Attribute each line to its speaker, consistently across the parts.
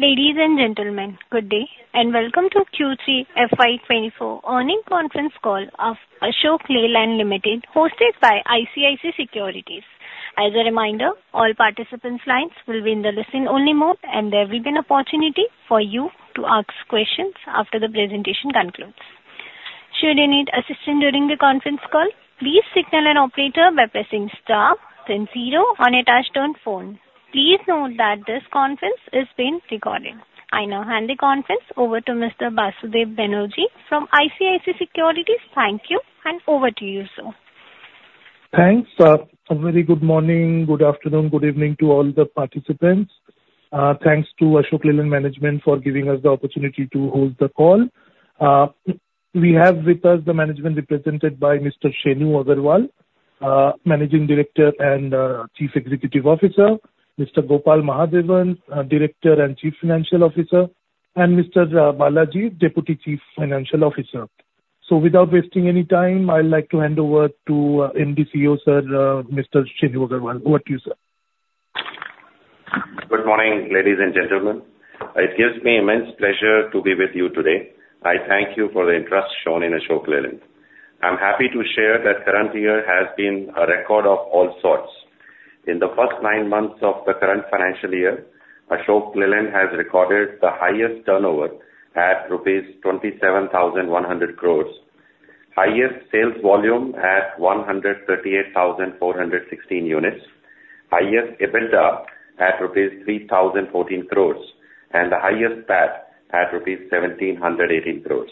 Speaker 1: Ladies and gentlemen, good day, and welcome to Q3 FY 2024 earnings conference call of Ashok Leyland Limited, hosted by ICICI Securities. As a reminder, all participants' lines will be in the listen-only mode, and there will be an opportunity for you to ask questions after the presentation concludes. Should you need assistance during the conference call, please signal an operator by pressing star then zero on your touchtone phone. Please note that this conference is being recorded. I now hand the conference over to Mr. Basudeb Banerjee from ICICI Securities. Thank you, and over to you, sir.
Speaker 2: Thanks. A very good morning, good afternoon, good evening to all the participants. Thanks to Ashok Leyland management for giving us the opportunity to hold the call. We have with us the management represented by Mr. Shenu Agarwal, Managing Director and Chief Executive Officer, Mr. Gopal Mahadevan, Director and Chief Financial Officer, and Mr. Balaji, Deputy Chief Financial Officer. So without wasting any time, I'd like to hand over to MD, CEO, sir, Mr. Shenu Agarwal. Over to you, sir.
Speaker 3: Good morning, ladies and gentlemen. It gives me immense pleasure to be with you today. I thank you for the interest shown in Ashok Leyland. I'm happy to share that current year has been a record of all sorts. In the first nine months of the current financial year, Ashok Leyland has recorded the highest turnover at rupees 27,100 crore, highest sales volume at 138,416 units, highest EBITDA at rupees 3,014 crore, and the highest PAT at rupees 1,718 crore.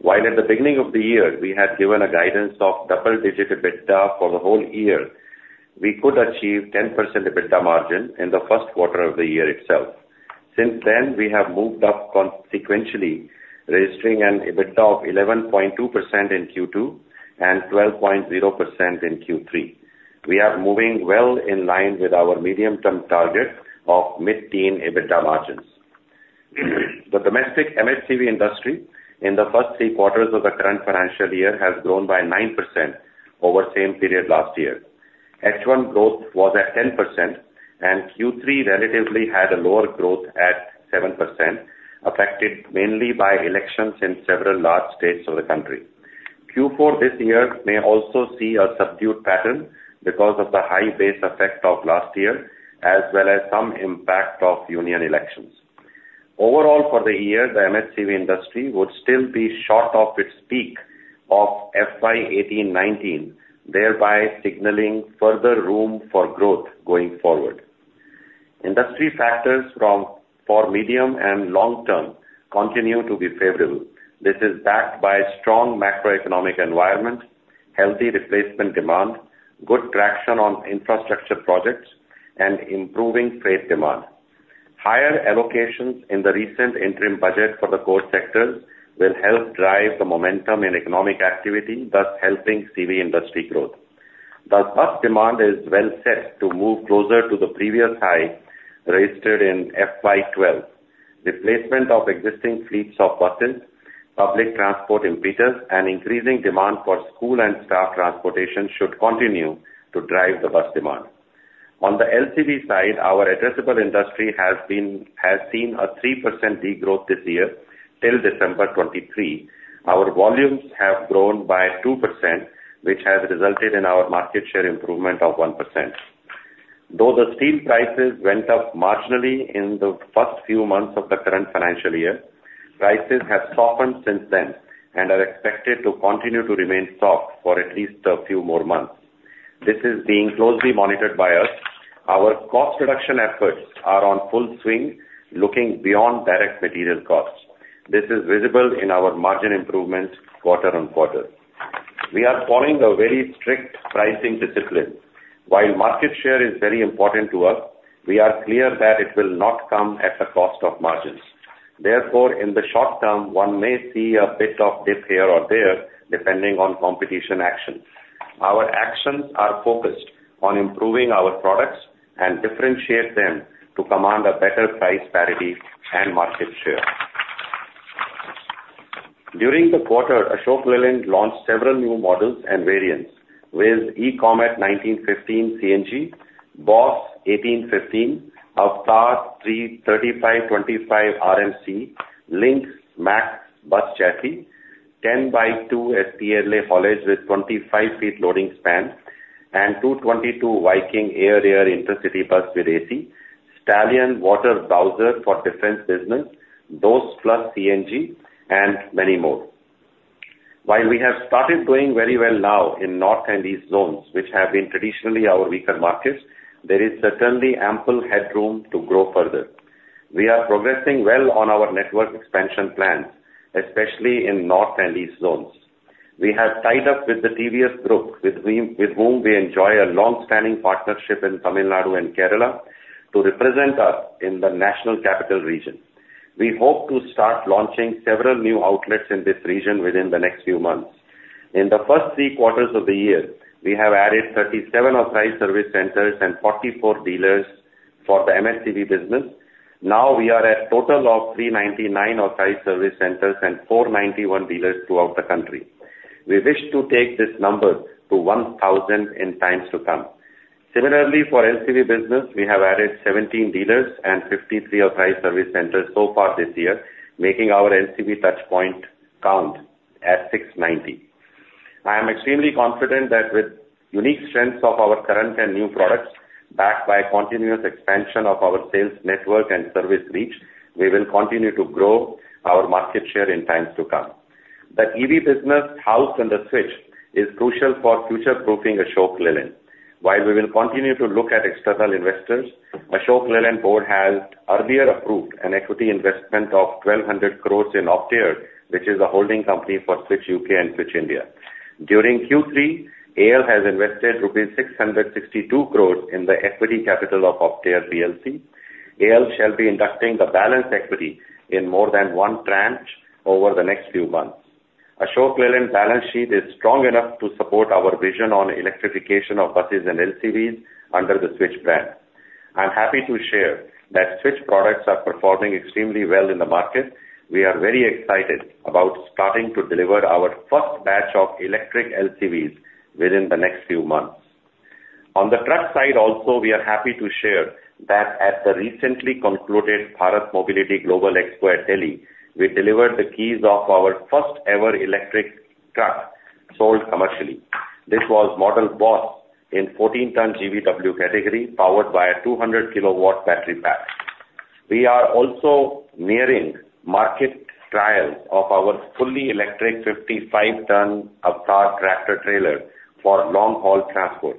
Speaker 3: While at the beginning of the year, we had given a guidance of double-digit EBITDA for the whole year, we could achieve 10% EBITDA margin in the first quarter of the year itself. Since then, we have moved up consequentially, registering an EBITDA of 11.2% in Q2 and 12.0% in Q3. We are moving well in line with our medium-term target of mid-teen EBITDA margins. The domestic MHCV industry in the first three quarters of the current financial year has grown by 9% over same period last year. H1 growth was at 10%, and Q3 relatively had a lower growth at 7%, affected mainly by elections in several large states of the country. Q4 this year may also see a subdued pattern because of the high base effect of last year, as well as some impact of union elections. Overall, for the year, the MHCV industry would still be short of its peak of FY 2018-2019, thereby signaling further room for growth going forward. Industry factors for medium- and long-term continue to be favorable. This is backed by strong macroeconomic environment, healthy replacement demand, good traction on infrastructure projects and improving trade demand. Higher allocations in the recent interim budget for the core sector will help drive the momentum in economic activity, thus helping CV industry growth. The bus demand is well set to move closer to the previous high registered in FY 2012. Replacement of existing fleets of buses, public transport impetus, and increasing demand for school and staff transportation should continue to drive the bus demand. On the LCV side, our addressable industry has seen a 3% degrowth this year till December 2023. Our volumes have grown by 2%, which has resulted in our market share improvement of 1%. Though the steel prices went up marginally in the first few months of the current financial year, prices have softened since then and are expected to continue to remain soft for at least a few more months. This is being closely monitored by us. Our cost reduction efforts are in full swing, looking beyond direct material costs. This is visible in our margin improvements quarter-on-quarter. We are following a very strict pricing discipline. While market share is very important to us, we are clear that it will not come at the cost of margins. Therefore, in the short term, one may see a bit of dip here or there, depending on competition action. Our actions are focused on improving our products and differentiate them to command a better price parity and market share. During the quarter, Ashok Leyland launched several new models and variants with Ecomet 1915 CNG, BOSS 1815, AVTR 3525 RMC, Lynx Smart bus chassis, 10x2 DTLA haulage with 25 feet loading span and 222 Viking air-rear intercity bus with AC, Stallion water bowser for defense business, DOST Plus CNG, and many more. While we have started doing very well now in north and east zones, which have been traditionally our weaker markets, there is certainly ample headroom to grow further. We are progressing well on our network expansion plans, especially in north and east zones. We have tied up with the TVS Group, with whom, with whom we enjoy a long-standing partnership in Tamil Nadu and Kerala, to represent us in the National Capital Region. We hope to start launching several new outlets in this region within the next few months. In the first three quarters of the year, we have added 37 authorized service centers and 44 dealers for the MHCV business. Now we are at total of 399 authorized service centers and 491 dealers throughout the country. We wish to take this number to 1,000 in times to come. Similarly, for LCV business, we have added 17 dealers and 53 authorized service centers so far this year, making our LCV touchpoint count at 690. I am extremely confident that with unique strengths of our current and new products, backed by continuous expansion of our sales network and service reach, we will continue to grow our market share in times to come. The EV business housed under Switch is crucial for future-proofing Ashok Leyland. While we will continue to look at external investors, Ashok Leyland board has earlier approved an equity investment of 1,200 crore in Optare, which is a holding company for Switch UK and Switch India. During Q3, AL has invested INR 662 crore in the equity capital of Optare PLC. AL shall be inducting the balance equity in more than one tranche over the next few months. Ashok Leyland balance sheet is strong enough to support our vision on electrification of buses and LCVs under the Switch brand. I'm happy to share that Switch products are performing extremely well in the market. We are very excited about starting to deliver our first batch of electric LCVs within the next few months. On the truck side also, we are happy to share that at the recently concluded Bharat Mobility Global Expo at Delhi, we delivered the keys of our first ever electric truck sold commercially. This was model BOSS in 14-ton GVW category, powered by a 200-kilowatt battery pack. We are also nearing market trial of our fully electric 55-ton AVTR tractor trailer for long haul transport.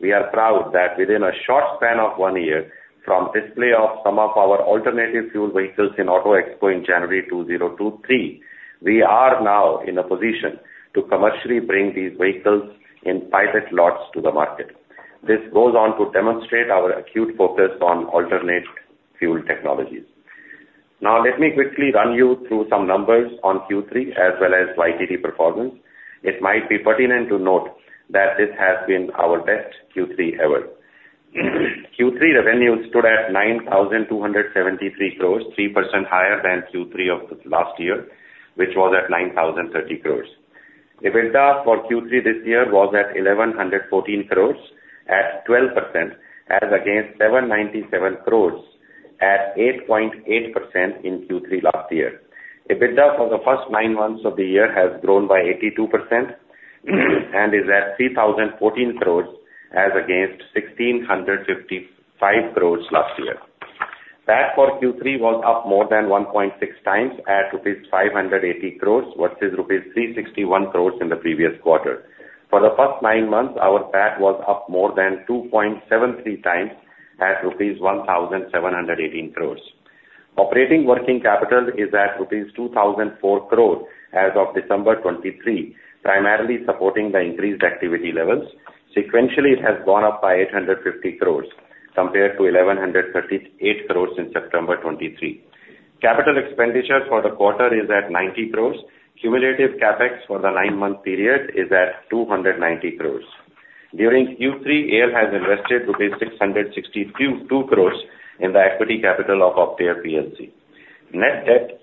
Speaker 3: We are proud that within a short span of one year, from display of some of our alternative fuel vehicles in Auto Expo in January 2023, we are now in a position to commercially bring these vehicles in pilot lots to the market. This goes on to demonstrate our acute focus on alternate fuel technologies. Now, let me quickly run you through some numbers on Q3 as well as YTD performance. It might be pertinent to note that this has been our best Q3 ever. Q3 revenue stood at 9,273 crore, 3% higher than Q3 of last year, which was at 9,030 crore. EBITDA for Q3 this year was at 1,114 crore, at 12%, as against 797 crore at 8.8% in Q3 last year. EBITDA for the first nine months of the year has grown by 82% and is at 3,014 crore, as against 1,655 crore last year. PAT for Q3 was up more than 1.6x, at INR 580 crore versus INR 361 crore in the previous quarter. For the first nine months, our PAT was up more than 2.73x, at INR 1,718 crores. Operating working capital is at INR 2,004 crores as of December 2023, primarily supporting the increased activity levels. Sequentially, it has gone up by 850 crores, compared to 1,138 crores in September 2023. Capital expenditure for the quarter is at 90 crores. Cumulative CapEx for the nine-month period is at 290 crores. During Q3, AL has invested rupees 662 crores in the equity capital of Optare PLC. Net debt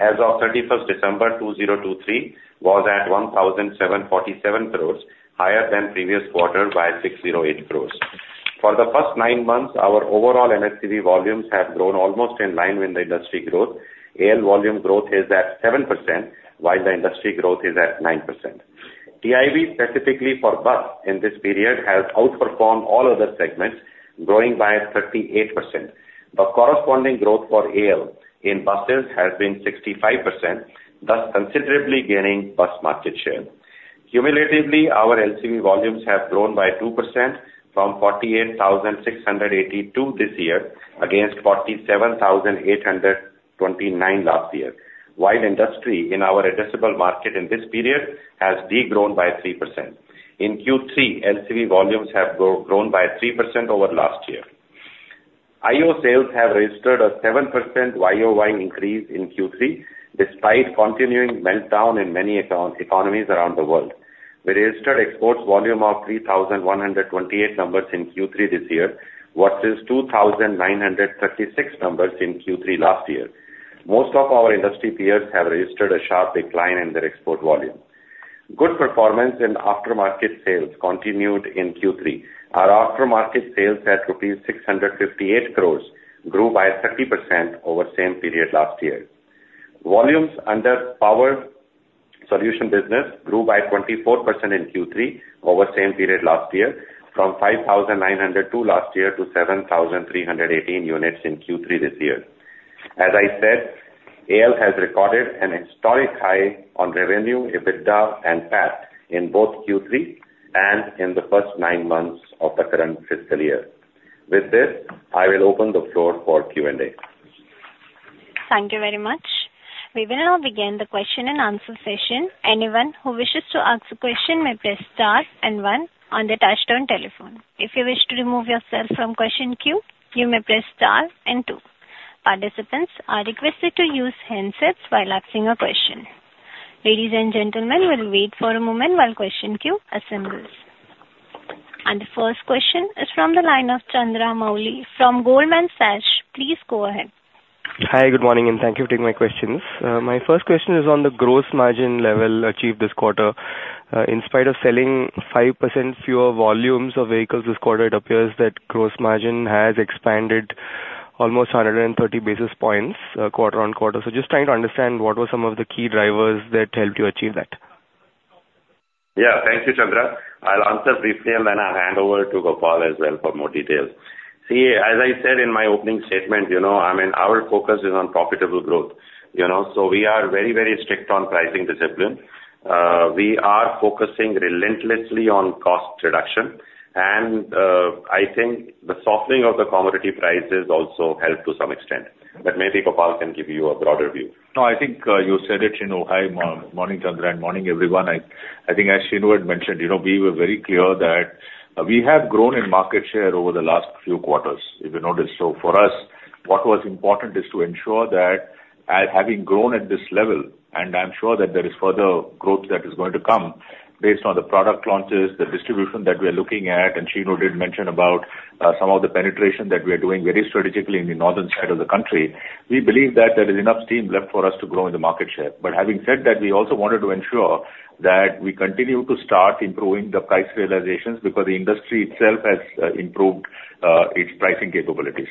Speaker 3: as of 31st December 2023, was at 1,747 crores, higher than previous quarter by 608 crores. For the first nine months, our overall LCV volumes have grown almost in line with the industry growth. AL volume growth is at 7%, while the industry growth is at 9%. TIV, specifically for bus in this period, has outperformed all other segments, growing by 38%. The corresponding growth for AL in buses has been 65%, thus considerably gaining bus market share. Cumulatively, our LCV volumes have grown by 2% from 48,682 this year, against 47,829 last year. While industry in our addressable market in this period has de-grown by 3%. In Q3, LCV volumes have grown by 3% over last year. IO sales have registered a 7% YoY increase in Q3, despite continuing meltdown in many economies around the world. We registered exports volume of 3,128 numbers in Q3 this year, versus 2,936 numbers in Q3 last year. Most of our industry peers have registered a sharp decline in their export volume. Good performance in aftermarket sales continued in Q3. Our aftermarket sales at rupees 658 crore grew by 30% over same period last year. Volumes under power solution business grew by 24% in Q3 over same period last year, from 5,902 last year to 7,318 units in Q3 this year. As I said, AL has recorded an historic high on revenue, EBITDA, and PAT in both Q3 and in the first nine months of the current fiscal year. With this, I will open the floor for Q&A.
Speaker 1: Thank you very much. We will now begin the question and answer session. Anyone who wishes to ask a question may press star and one on the touchtone telephone. If you wish to remove yourself from question queue, you may press star and two. Participants are requested to use handsets while asking a question. Ladies and gentlemen, we'll wait for a moment while question queue assembles. And the first question is from the line of Chandramouli from Goldman Sachs. Please go ahead.
Speaker 4: Hi, good morning, and thank you for taking my questions. My first question is on the gross margin level achieved this quarter. In spite of selling 5% fewer volumes of vehicles this quarter, it appears that gross margin has expanded almost 130 basis points, quarter-on-quarter. So just trying to understand what were some of the key drivers that helped you achieve that?
Speaker 3: Yeah. Thank you, Chandra. I'll answer briefly, and then I'll hand over to Gopal as well for more details. See, as I said in my opening statement, you know, I mean, our focus is on profitable growth, you know. So we are very, very strict on pricing discipline. We are focusing relentlessly on cost reduction, and I think the softening of the commodity prices also helped to some extent. But maybe Gopal can give you a broader view.
Speaker 5: No, I think you said it, you know. Hi, morning, Chandra, and morning, everyone. I think as Shenu had mentioned, you know, we were very clear that we have grown in market share over the last few quarters, if you noticed. So for us, what was important is to ensure that as having grown at this level, and I'm sure that there is further growth that is going to come based on the product launches, the distribution that we are looking at, and Shenu did mention about some of the penetration that we are doing very strategically in the northern side of the country. We believe that there is enough steam left for us to grow in the market share. But having said that, we also wanted to ensure that we continue to start improving the price realizations, because the industry itself has improved its pricing capabilities.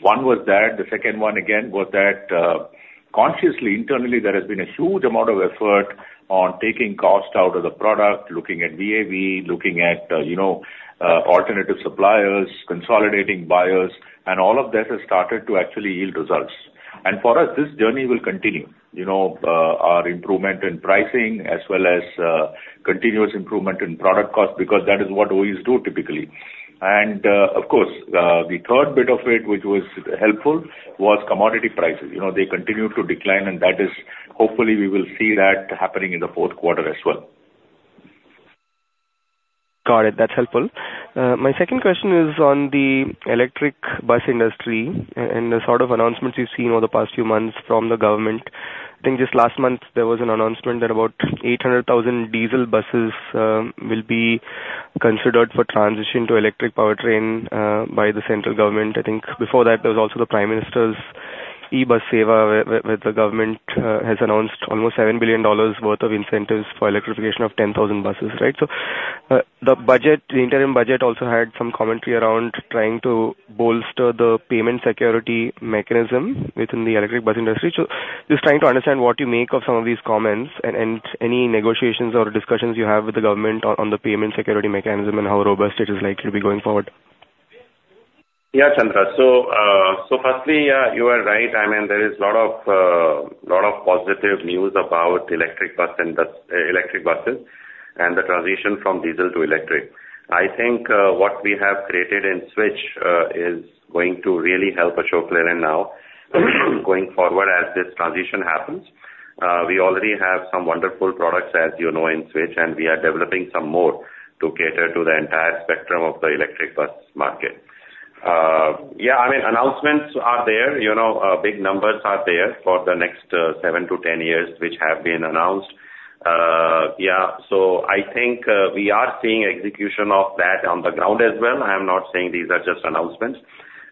Speaker 5: One was that. The second one, again, was that, consciously, internally, there has been a huge amount of effort on taking cost out of the product, looking at VAVE, looking at, you know, alternative suppliers, consolidating buyers, and all of that has started to actually yield results. And for us, this journey will continue, you know, our improvement in pricing, as well as, continuous improvement in product cost, because that is what OEs do typically. And, of course, the third bit of it, which was helpful, was commodity prices. You know, they continue to decline, and that is hopefully we will see that happening in the fourth quarter as well.
Speaker 4: Got it. That's helpful. My second question is on the electric bus industry and the sort of announcements we've seen over the past few months from the government. I think just last month, there was an announcement that about 800,000 diesel buses will be considered for transition to electric powertrain by the central government. I think before that, there was also the Prime Minister's e-Bus Sewa, where the government has announced almost $7 billion worth of incentives for electrification of 10,000 buses, right? So, the budget, the interim budget also had some commentary around trying to bolster the payment security mechanism within the electric bus industry. Just trying to understand what you make of some of these comments and, and any negotiations or discussions you have with the government on, on the payment security mechanism and how robust it is likely to be going forward.
Speaker 3: Yeah, Chandra. So, so firstly, you are right. I mean, there is a lot of, lot of positive news about electric bus and bus- electric buses and the transition from diesel to electric. I think, what we have created in Switch, is going to really help Ashok Leyland now, going forward, as this transition happens. We already have some wonderful products, as you know, in Switch, and we are developing some more to cater to the entire spectrum of the electric bus market. Yeah, I mean, announcements are there, you know, big numbers are there for the next, seven to 10 years, which have been announced. Yeah, so I think, we are seeing execution of that on the ground as well. I am not saying these are just announcements.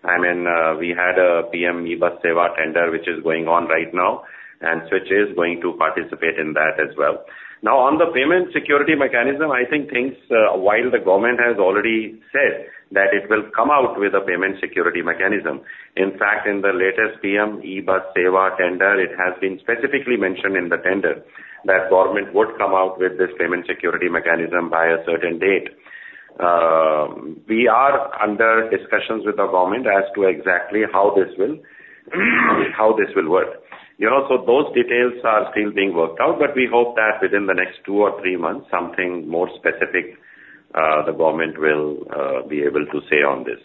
Speaker 3: I mean, we had a PM-eBus Sewa tender, which is going on right now, and Switch is going to participate in that as well. Now, on the payment security mechanism, I think things, while the government has already said that it will come out with a payment security mechanism, in fact, in the latest PM-eBus Sewa tender, it has been specifically mentioned in the tender that government would come out with this payment security mechanism by a certain date. We are under discussions with the government as to exactly how this will, how this will work. You know, so those details are still being worked out, but we hope that within the next two or three months, something more specific, the government will be able to say on this.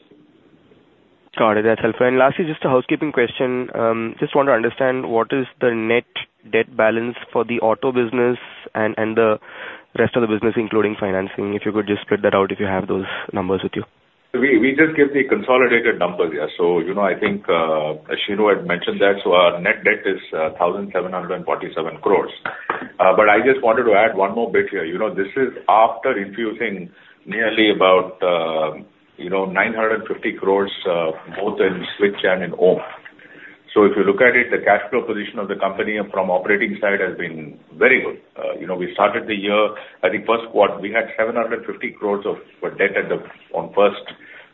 Speaker 4: Got it. That's helpful. And lastly, just a housekeeping question. Just want to understand what is the net debt balance for the auto business and, and the rest of the business, including financing? If you could just split that out, if you have those numbers with you.
Speaker 5: We just give the consolidated numbers, yeah. So, you know, I think, as Shenu had mentioned that, so our net debt is 1,747 crore. But I just wanted to add one more bit here. You know, this is after infusing nearly about, you know, 950 crore, both in Switch and in OHM. So if you look at it, the cash flow position of the company from operating side has been very good. You know, we started the year, I think first quarter, we had 750 crore of debt at the-- on first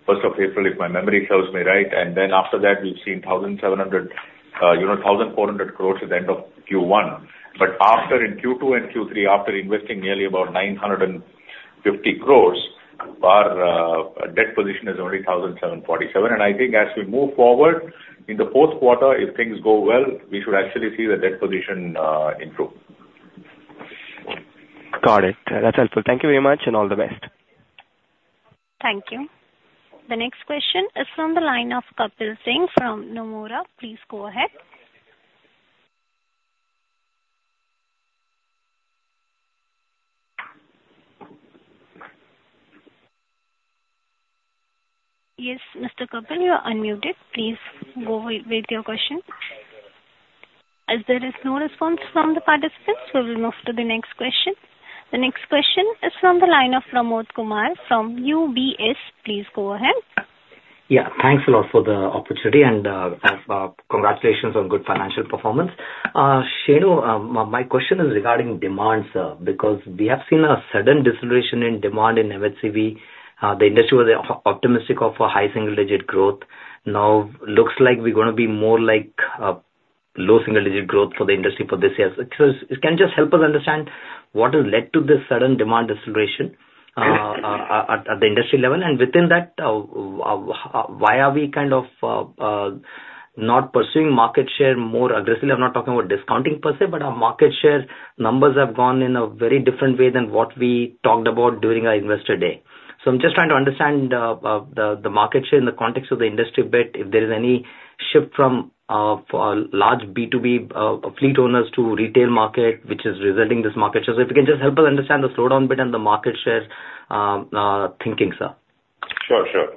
Speaker 5: of April, if my memory serves me right. And then after that, we've seen 1,700, you know, 1,400 crore at the end of Q1. But after in Q2 and Q3, after investing nearly about 950 crore, our debt position is only 1,747 crore. And I think as we move forward in the fourth quarter, if things go well, we should actually see the debt position improve.
Speaker 4: Got it. That's helpful. Thank you very much, and all the best.
Speaker 1: Thank you. The next question is from the line of Kapil Singh from Nomura. Please go ahead. Yes, Mr. Kapil, you are unmuted. Please go with your question.... As there is no response from the participants, so we'll move to the next question. The next question is from the line of Pramod Kumar from UBS. Please go ahead.
Speaker 6: Yeah, thanks a lot for the opportunity, and, congratulations on good financial performance. Shenu, my question is regarding demands, because we have seen a sudden deceleration in demand in MHCV. The industry was optimistic of a high single-digit growth. Now, looks like we're gonna be more like, low single-digit growth for the industry for this year. So, can you just help us understand what has led to this sudden demand deceleration, at the industry level? And within that, why are we kind of, not pursuing market share more aggressively? I'm not talking about discounting per se, but our market share numbers have gone in a very different way than what we talked about during our Investor Day. I'm just trying to understand the market share in the context of the industry bit, if there is any shift from large B2B fleet owners to retail market, which is resulting this market share. If you can just help us understand the slowdown bit and the market share thinking, sir.
Speaker 3: Sure, sure.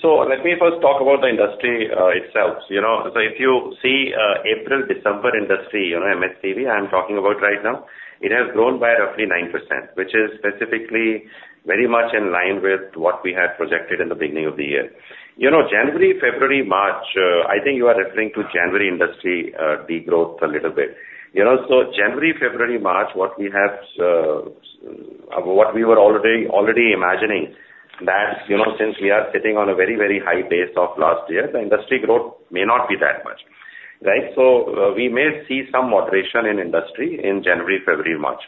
Speaker 3: So let me first talk about the industry itself. You know, so if you see, April, December industry, you know, MHCV, I'm talking about right now, it has grown by roughly 9%, which is specifically very much in line with what we had projected in the beginning of the year. You know, January, February, March, I think you are referring to January industry, degrowth a little bit. You know, so January, February, March, what we have, what we were already imagining that, you know, since we are sitting on a very, very high base of last year, the industry growth may not be that much, right? So, we may see some moderation in industry in January, February, March.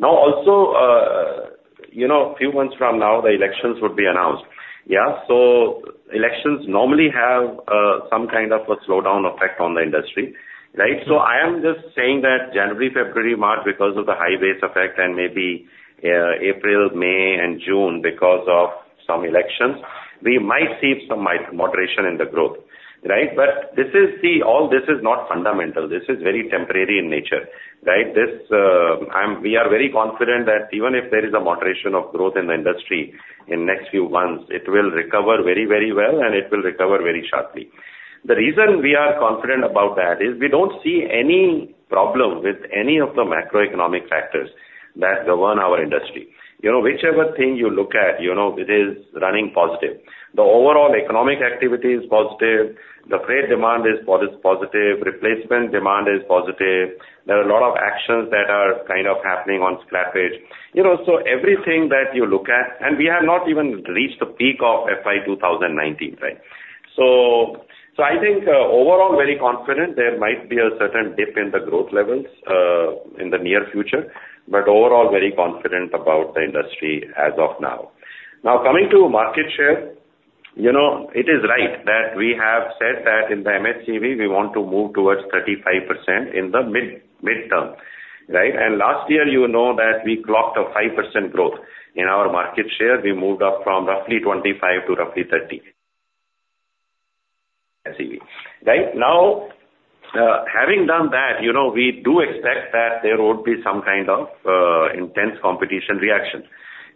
Speaker 3: Now, also, you know, few months from now, the elections would be announced. Yeah, so elections normally have some kind of a slowdown effect on the industry, right? So I am just saying that January, February, March, because of the high base effect and maybe April, May and June, because of some elections, we might see some moderation in the growth, right? But this is the... All this is not fundamental. This is very temporary in nature, right? This, We are very confident that even if there is a moderation of growth in the industry in next few months, it will recover very, very well, and it will recover very sharply. The reason we are confident about that is we don't see any problem with any of the macroeconomic factors that govern our industry. You know, whichever thing you look at, you know, it is running positive. The overall economic activity is positive. The freight demand is positive. Replacement demand is positive. There are a lot of actions that are kind of happening on scrappage. You know, so everything that you look at, and we have not even reached the peak of FY 2019, right? So, so I think, overall, very confident there might be a certain dip in the growth levels, in the near future, but overall very confident about the industry as of now. Now, coming to market share, you know, it is right that we have said that in the MHCV, we want to move towards 35% in the mid-term, right? And last year, you know that we clocked a 5% growth. In our market share, we moved up from roughly 25% to roughly 30% MHCV, right? Now, having done that, you know, we do expect that there would be some kind of, intense competition reaction.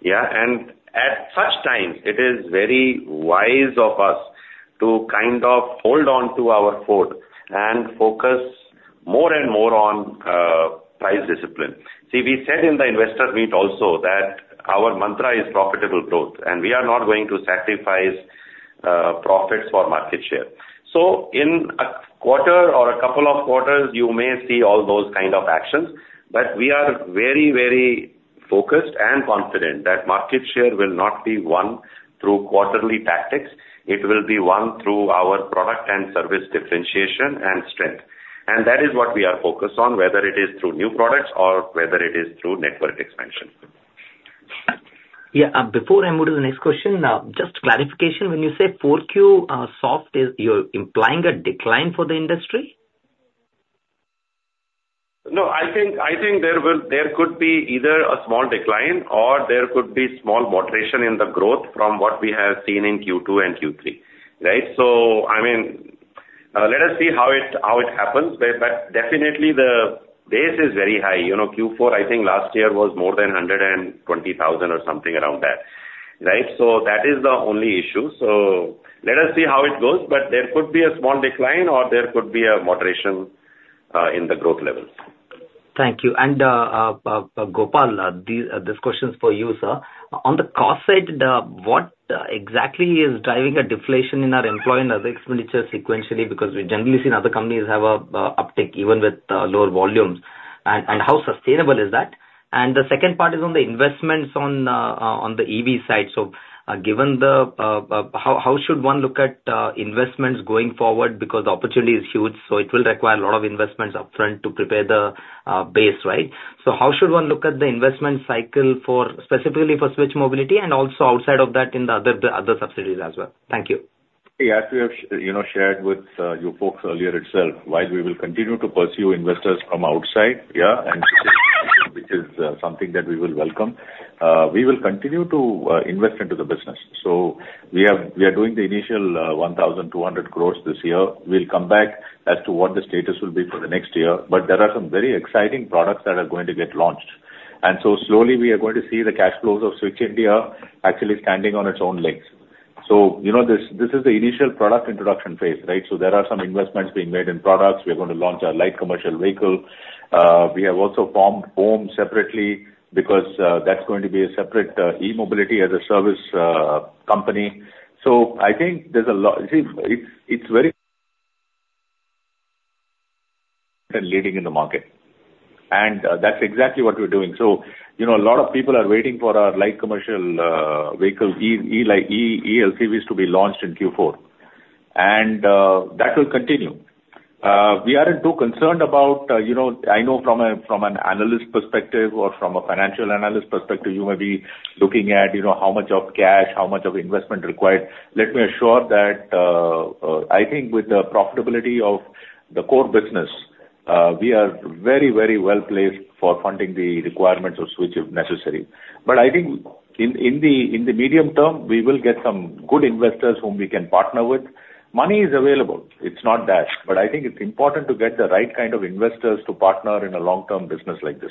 Speaker 3: Yeah, and at such times, it is very wise of us to kind of hold on to our fort and focus more and more on, price discipline. See, we said in the investor meet also that our mantra is profitable growth, and we are not going to sacrifice, profits for market share. So in a quarter or a couple of quarters, you may see all those kind of actions, but we are very, very focused and confident that market share will not be won through quarterly tactics. It will be won through our product and service differentiation and strength. And that is what we are focused on, whether it is through new products or whether it is through network expansion.
Speaker 6: Yeah. Before I move to the next question, just clarification, when you say 4Q soft, is you're implying a decline for the industry?
Speaker 3: No, I think there could be either a small decline or there could be small moderation in the growth from what we have seen in Q2 and Q3, right? So, I mean, let us see how it happens, but definitely the base is very high. You know, Q4, I think last year, was more than 120,000 or something around that, right? So that is the only issue. So let us see how it goes, but there could be a small decline or there could be a moderation in the growth levels.
Speaker 6: Thank you. And, Gopal, this question is for you, sir. On the cost side, what exactly is driving a deflation in our employee and other expenditures sequentially? Because we've generally seen other companies have a uptick, even with lower volumes. And how sustainable is that? And the second part is on the investments on the EV side. So, given the, how should one look at investments going forward? Because the opportunity is huge, so it will require a lot of investments upfront to prepare the base, right? So how should one look at the investment cycle for, specifically for Switch Mobility and also outside of that in the other subsidiaries as well? Thank you.
Speaker 5: Yeah, as we have you know, shared with you folks earlier itself, while we will continue to pursue investors from outside, yeah, and which is something that we will welcome, we will continue to invest into the business. So we have, we are doing the initial 1,200 crore this year. We'll come back as to what the status will be for the next year, but there are some very exciting products that are going to get launched. And so slowly we are going to see the cash flows of Switch India actually standing on its own legs. So, you know, this is the initial product introduction phase, right? So there are some investments being made in products. We are going to launch our light commercial vehicle. We have also formed OHM separately, because that's going to be a separate e-mobility as a service company. So I think there's a lot. See, it's very leading in the market, and that's exactly what we're doing. So, you know, a lot of people are waiting for our light commercial vehicle, e- like, e-LCVs to be launched in Q4. And that will continue. We aren't too concerned about, you know, I know from a from an analyst perspective or from a financial analyst perspective, you may be looking at, you know, how much of cash, how much of investment required. Let me assure that, I think with the profitability of the core business, we are very, very well placed for funding the requirements of switch, if necessary. But I think in the medium term, we will get some good investors whom we can partner with. Money is available, it's not that, but I think it's important to get the right kind of investors to partner in a long-term business like this.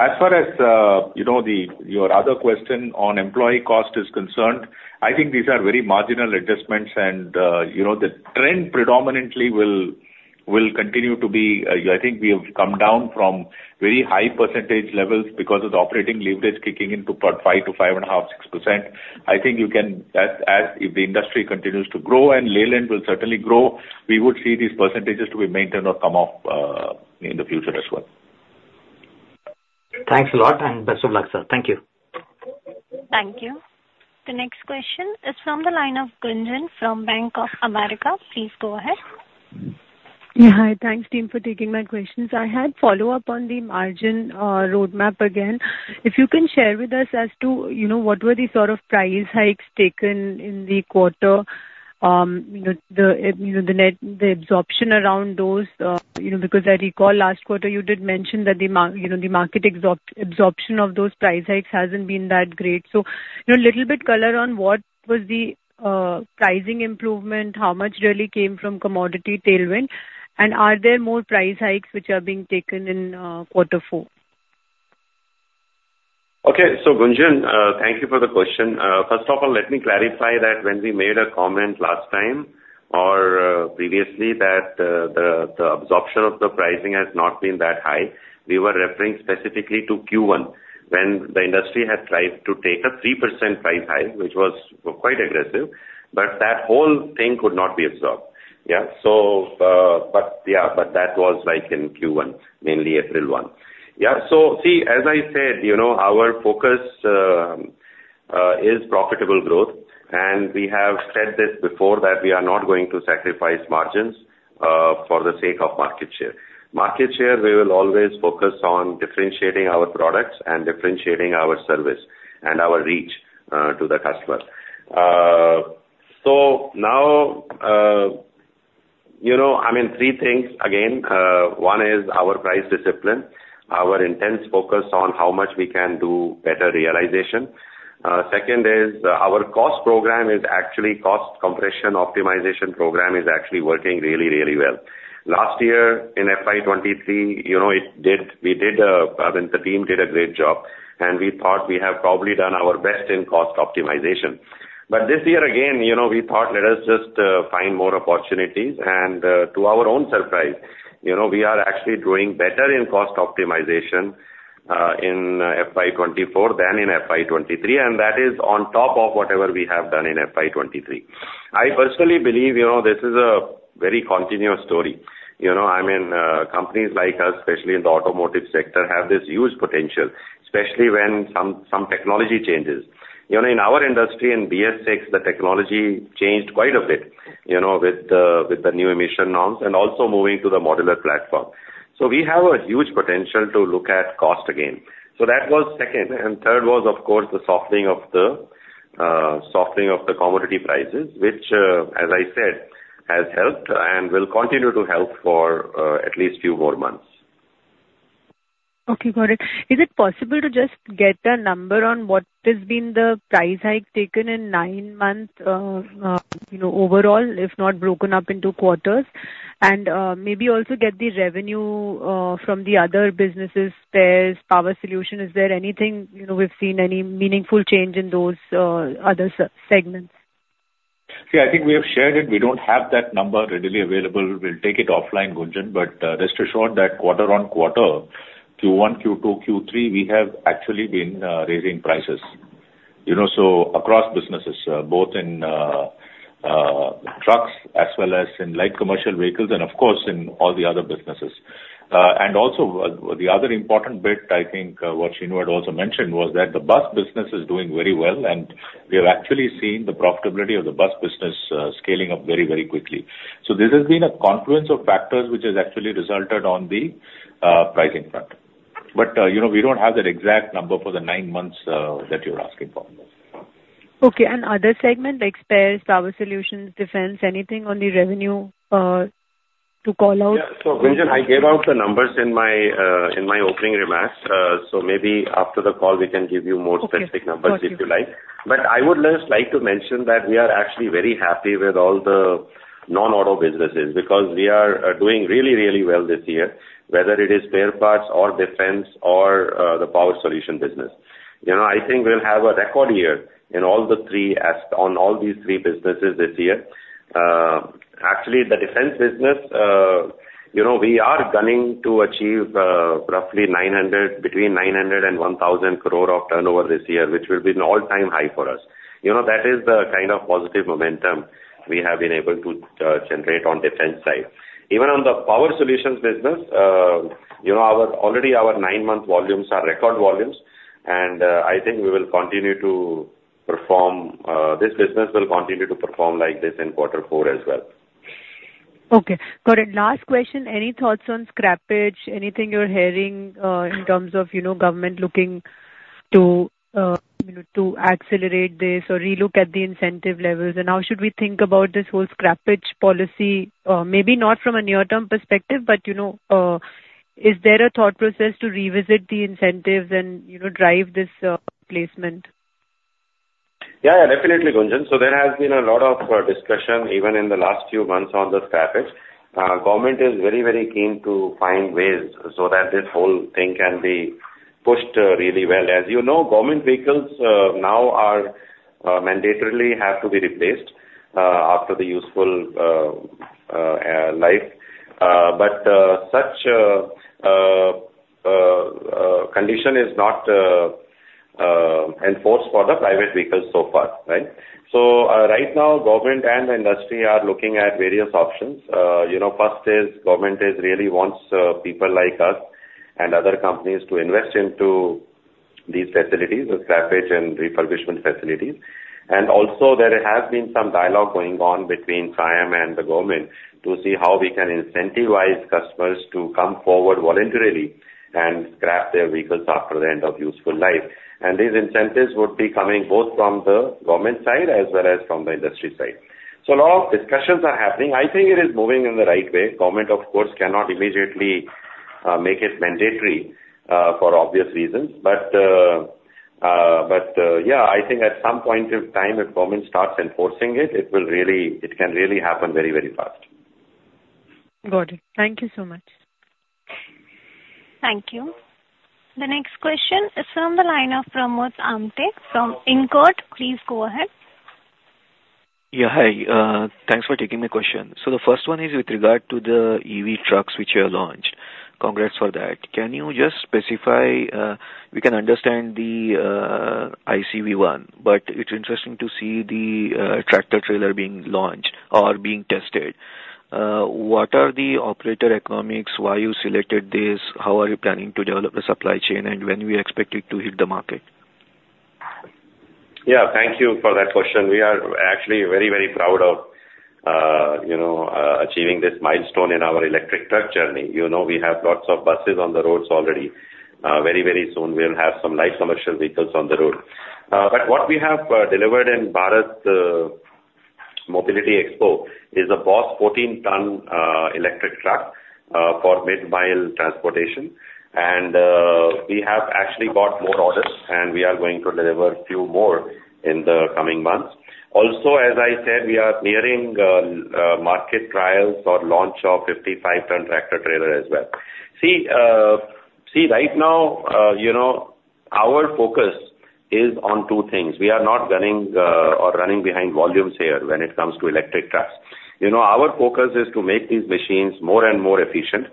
Speaker 5: As far as, you know, your other question on employee cost is concerned, I think these are very marginal adjustments and, you know, the trend predominantly will continue to be. I think we have come down from very high percentage levels because of the operating leverage kicking in to about 5% to 5.5%-6%. I think you can, as if the industry continues to grow, and Leyland will certainly grow, we would see these percentages to be maintained or come up in the future as well.
Speaker 6: Thanks a lot, and best of luck, sir. Thank you.
Speaker 1: Thank you. The next question is from the line of Gunjan from Bank of America. Please go ahead.
Speaker 7: Yeah. Hi. Thanks, team, for taking my questions. I had follow-up on the margin roadmap again. If you can share with us as to, you know, what were the sort of price hikes taken in the quarter, the net absorption around those, you know, because I recall last quarter you did mention that the market absorption of those price hikes hasn't been that great. So, you know, a little bit color on what was the pricing improvement, how much really came from commodity tailwind, and are there more price hikes which are being taken in quarter four?
Speaker 5: Okay. So Gunjan, thank you for the question. First of all, let me clarify that when we made a comment last time, or previously, that the absorption of the pricing has not been that high, we were referring specifically to Q1, when the industry had tried to take a 3% price hike, which was quite aggressive, but that whole thing could not be absorbed. Yeah. So, but yeah, but that was like in Q1, mainly April 1. Yeah, so see, as I said, you know, our focus is profitable growth, and we have said this before, that we are not going to sacrifice margins for the sake of market share. Market share, we will always focus on differentiating our products and differentiating our service and our reach to the customer. So now, you know, I mean, three things again. One is our price discipline, our intense focus on how much we can do better realization. Second is our cost program is actually, cost compression optimization program is actually working really, really well. Last year, in FY 2023, you know, we did, I mean, the team did a great job, and we thought we have probably done our best in cost optimization. But this year again, you know, we thought, let us just find more opportunities, and to our own surprise, you know, we are actually doing better in cost optimization in FY 2024 than in FY 2023, and that is on top of whatever we have done in FY 2023. I personally believe, you know, this is a very continuous story. You know, I mean, companies like us, especially in the automotive sector, have this huge potential, especially when some, some technology changes. You know, in our industry, in BS VI, the technology changed quite a bit, you know, with the new emission norms and also moving to the modular platform. So we have a huge potential to look at cost again. So that was second, and third was, of course, the softening of the commodity prices, which, as I said, has helped and will continue to help for at least few more months.
Speaker 7: Okay, got it. Is it possible to just get a number on what has been the price hike taken in nine months, you know, overall, if not broken up into quarters? Maybe also get the revenue from the other businesses, spares, power solution. Is there anything, you know, we've seen any meaningful change in those other segments?
Speaker 5: See, I think we have shared it. We don't have that number readily available. We'll take it offline, Gunjan, but, rest assured, that quarter-on-quarter, Q1, Q2, Q3, we have actually been raising prices. You know, so across businesses, both in trucks as well as in light commercial vehicles and of course, in all the other businesses. And also, the other important bit, I think, what Shenu also mentioned, was that the bus business is doing very well, and we have actually seen the profitability of the bus business scaling up very, very quickly. So this has been a confluence of factors which has actually resulted on the pricing front. But, you know, we don't have that exact number for the nine months that you're asking for.
Speaker 7: Okay, and other segment, like spares, power solutions, defense, anything on the revenue to call out?
Speaker 5: Yeah. So, Gunjan, I gave out the numbers in my, in my opening remarks, so maybe after the call we can give you more...
Speaker 7: Okay.
Speaker 5: -specific numbers, if you like.
Speaker 7: Got you.
Speaker 5: I would just like to mention that we are actually very happy with all the non-auto businesses, because we are doing really, really well this year, whether it is spare parts or defense or the power solution business.... You know, I think we'll have a record year in all the three S, on all these three businesses this year. Actually, the defense business, you know, we are gunning to achieve, roughly 900 crore, between 900 crore and 1,000 crore of turnover this year, which will be an all-time high for us. You know, that is the kind of positive momentum we have been able to, generate on defense side. Even on the power solutions business, you know, our already nine-month volumes are record volumes, and, I think we will continue to perform, this business will continue to perform like this in quarter four as well.
Speaker 7: Okay, got it. Last question: Any thoughts on Scrappage? Anything you're hearing in terms of, you know, government looking to, you know, to accelerate this or relook at the incentive levels? And how should we think about this whole Scrappage policy, maybe not from a near-term perspective, but, you know, is there a thought process to revisit the incentives and, you know, drive this placement?
Speaker 3: Yeah, yeah, definitely, Gunjan. So there has been a lot of discussion even in the last few months on the Scrappage. Government is very, very keen to find ways so that this whole thing can be pushed really well. As you know, government vehicles now are mandatorily have to be replaced after the useful life. But such condition is not enforced for the private vehicles so far, right? So right now, government and industry are looking at various options. You know, first is government is really wants people like us and other companies to invest into these facilities, the Scrappage and refurbishment facilities. Also there has been some dialogue going on between SIAUM and the government, to see how we can incentivize customers to come forward voluntarily and scrap their vehicles after the end of useful life. These incentives would be coming both from the government side as well as from the industry side. So a lot of discussions are happening. I think it is moving in the right way. Government, of course, cannot immediately make it mandatory for obvious reasons. But yeah, I think at some point in time, if government starts enforcing it, it will really. It can really happen very, very fast.
Speaker 7: Got it. Thank you so much.
Speaker 1: Thank you. The next question is from the line of Pramod Amthe from InCred Capital. Please go ahead.
Speaker 8: Yeah, hi. Thanks for taking my question. So the first one is with regard to the EV trucks which you have launched. Congrats for that. Can you just specify? We can understand the ICV one, but it's interesting to see the tractor-trailer being launched or being tested. What are the operator economics? Why you selected this? How are you planning to develop the supply chain, and when we expect it to hit the market?
Speaker 3: Yeah, thank you for that question. We are actually very, very proud of, you know, achieving this milestone in our electric truck journey. You know, we have lots of buses on the roads already. Very, very soon we'll have some light commercial vehicles on the road. But what we have delivered in Bharat Mobility Expo is a BOSS 14-ton electric truck for mid-mile transportation. And we have actually got more orders, and we are going to deliver a few more in the coming months. Also, as I said, we are nearing market trials for launch of 55-ton tractor trailer as well. Right now, you know, our focus is on two things. We are not running or running behind volumes here when it comes to electric trucks. You know, our focus is to make these machines more and more efficient.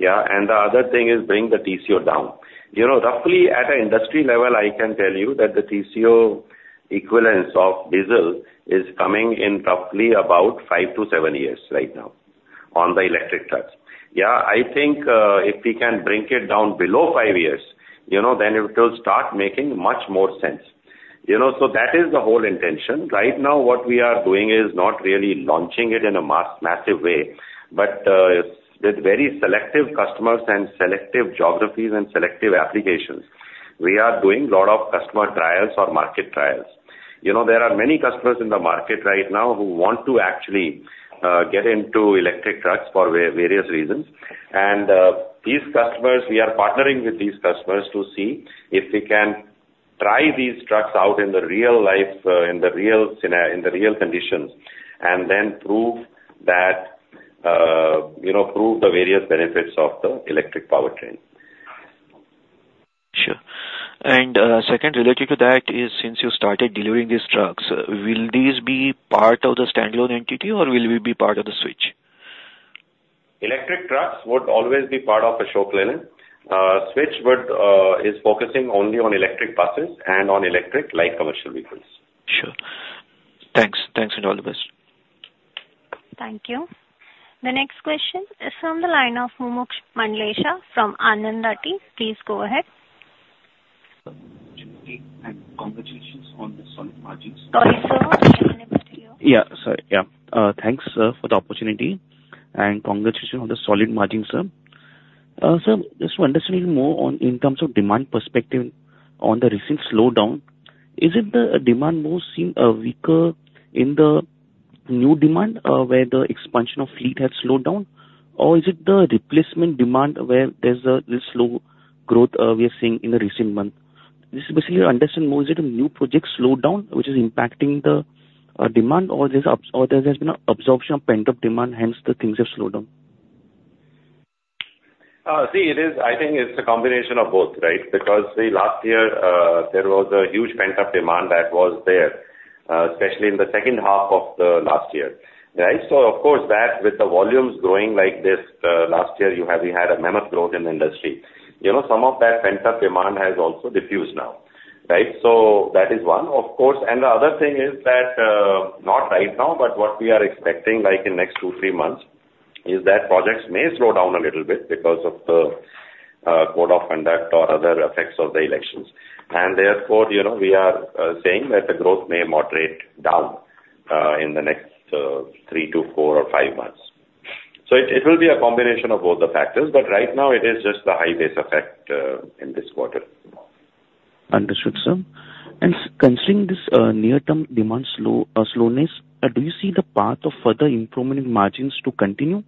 Speaker 3: Yeah, and the other thing is bring the TCO down. You know, roughly at an industry level, I can tell you that the TCO equivalence of diesel is coming in roughly about five to seven years right now on the electric trucks. Yeah, I think, if we can bring it down below five years, you know, then it will start making much more sense. You know, so that is the whole intention. Right now, what we are doing is not really launching it in a mass, massive way, but, with very selective customers and selective geographies and selective applications, we are doing a lot of customer trials or market trials. You know, there are many customers in the market right now who want to actually get into electric trucks for various reasons. These customers, we are partnering with these customers to see if we can try these trucks out in the real life, in the real conditions, and then prove that, you know, prove the various benefits of the electric powertrain.
Speaker 8: Sure. And, second, related to that is, since you started delivering these trucks, will these be part of the standalone entity or will it be part of the switch?
Speaker 3: Electric trucks would always be part of Ashok Leyland. Switch would, is focusing only on electric buses and on electric light commercial vehicles.
Speaker 8: Sure. Thanks. Thanks, and all the best.
Speaker 1: Thank you. The next question is from the line of Mumuksh Mandlesha from Anand Rathi. Please go ahead.
Speaker 9: Congratulations on the solid margins.
Speaker 1: Sorry, sir.
Speaker 9: Yeah, sorry. Yeah. Thanks for the opportunity, and congratulations on the solid margins, sir. Sir, just to understand more on in terms of demand perspective on the recent slowdown, is it the demand more seem weaker in the new demand where the expansion of fleet has slowed down? Or is it the replacement demand where there's the slow growth we are seeing in the recent months? Just basically to understand more, is it a new project slowdown which is impacting the demand, or there has been absorption of pent-up demand, hence the things have slowed down?...
Speaker 3: See, it is, I think it's a combination of both, right? Because the last year, there was a huge pent-up demand that was there, especially in the second half of the last year, right? So of course, that with the volumes growing like this, last year, we had a mammoth growth in the industry. You know, some of that pent-up demand has also diffused now, right? So that is one, of course. And the other thing is that, not right now, but what we are expecting, like in next two, three months, is that projects may slow down a little bit because of the code of conduct or other effects of the elections. And therefore, you know, we are saying that the growth may moderate down in the next three to four or five months. It will be a combination of both the factors, but right now it is just the high base effect in this quarter.
Speaker 9: Understood, sir. Considering this near-term demand slowdown, do you see the path of further improvement in margins to continue,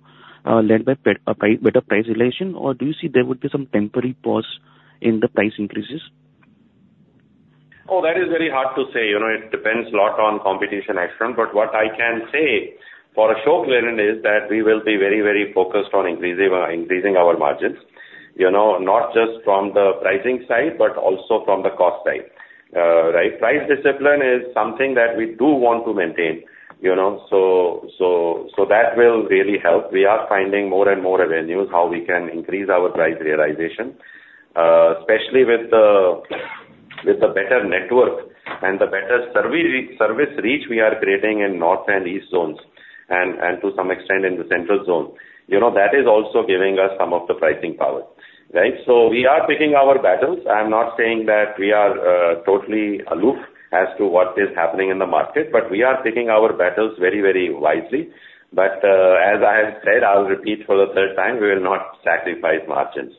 Speaker 9: led by better price realization, or do you see there would be some temporary pause in the price increases?
Speaker 3: Oh, that is very hard to say. You know, it depends a lot on competition action. But what I can say for Ashok Leyland is that we will be very, very focused on increasing increasing our margins, you know, not just from the pricing side, but also from the cost side, right? Price discipline is something that we do want to maintain, you know, so that will really help. We are finding more and more avenues how we can increase our price realization, especially with the better network and the better service reach we are creating in north and east zones and to some extent in the central zone. You know, that is also giving us some of the pricing power, right? So we are picking our battles. I'm not saying that we are totally aloof as to what is happening in the market, but we are picking our battles very, very wisely. But, as I have said, I'll repeat for the third time, we will not sacrifice margins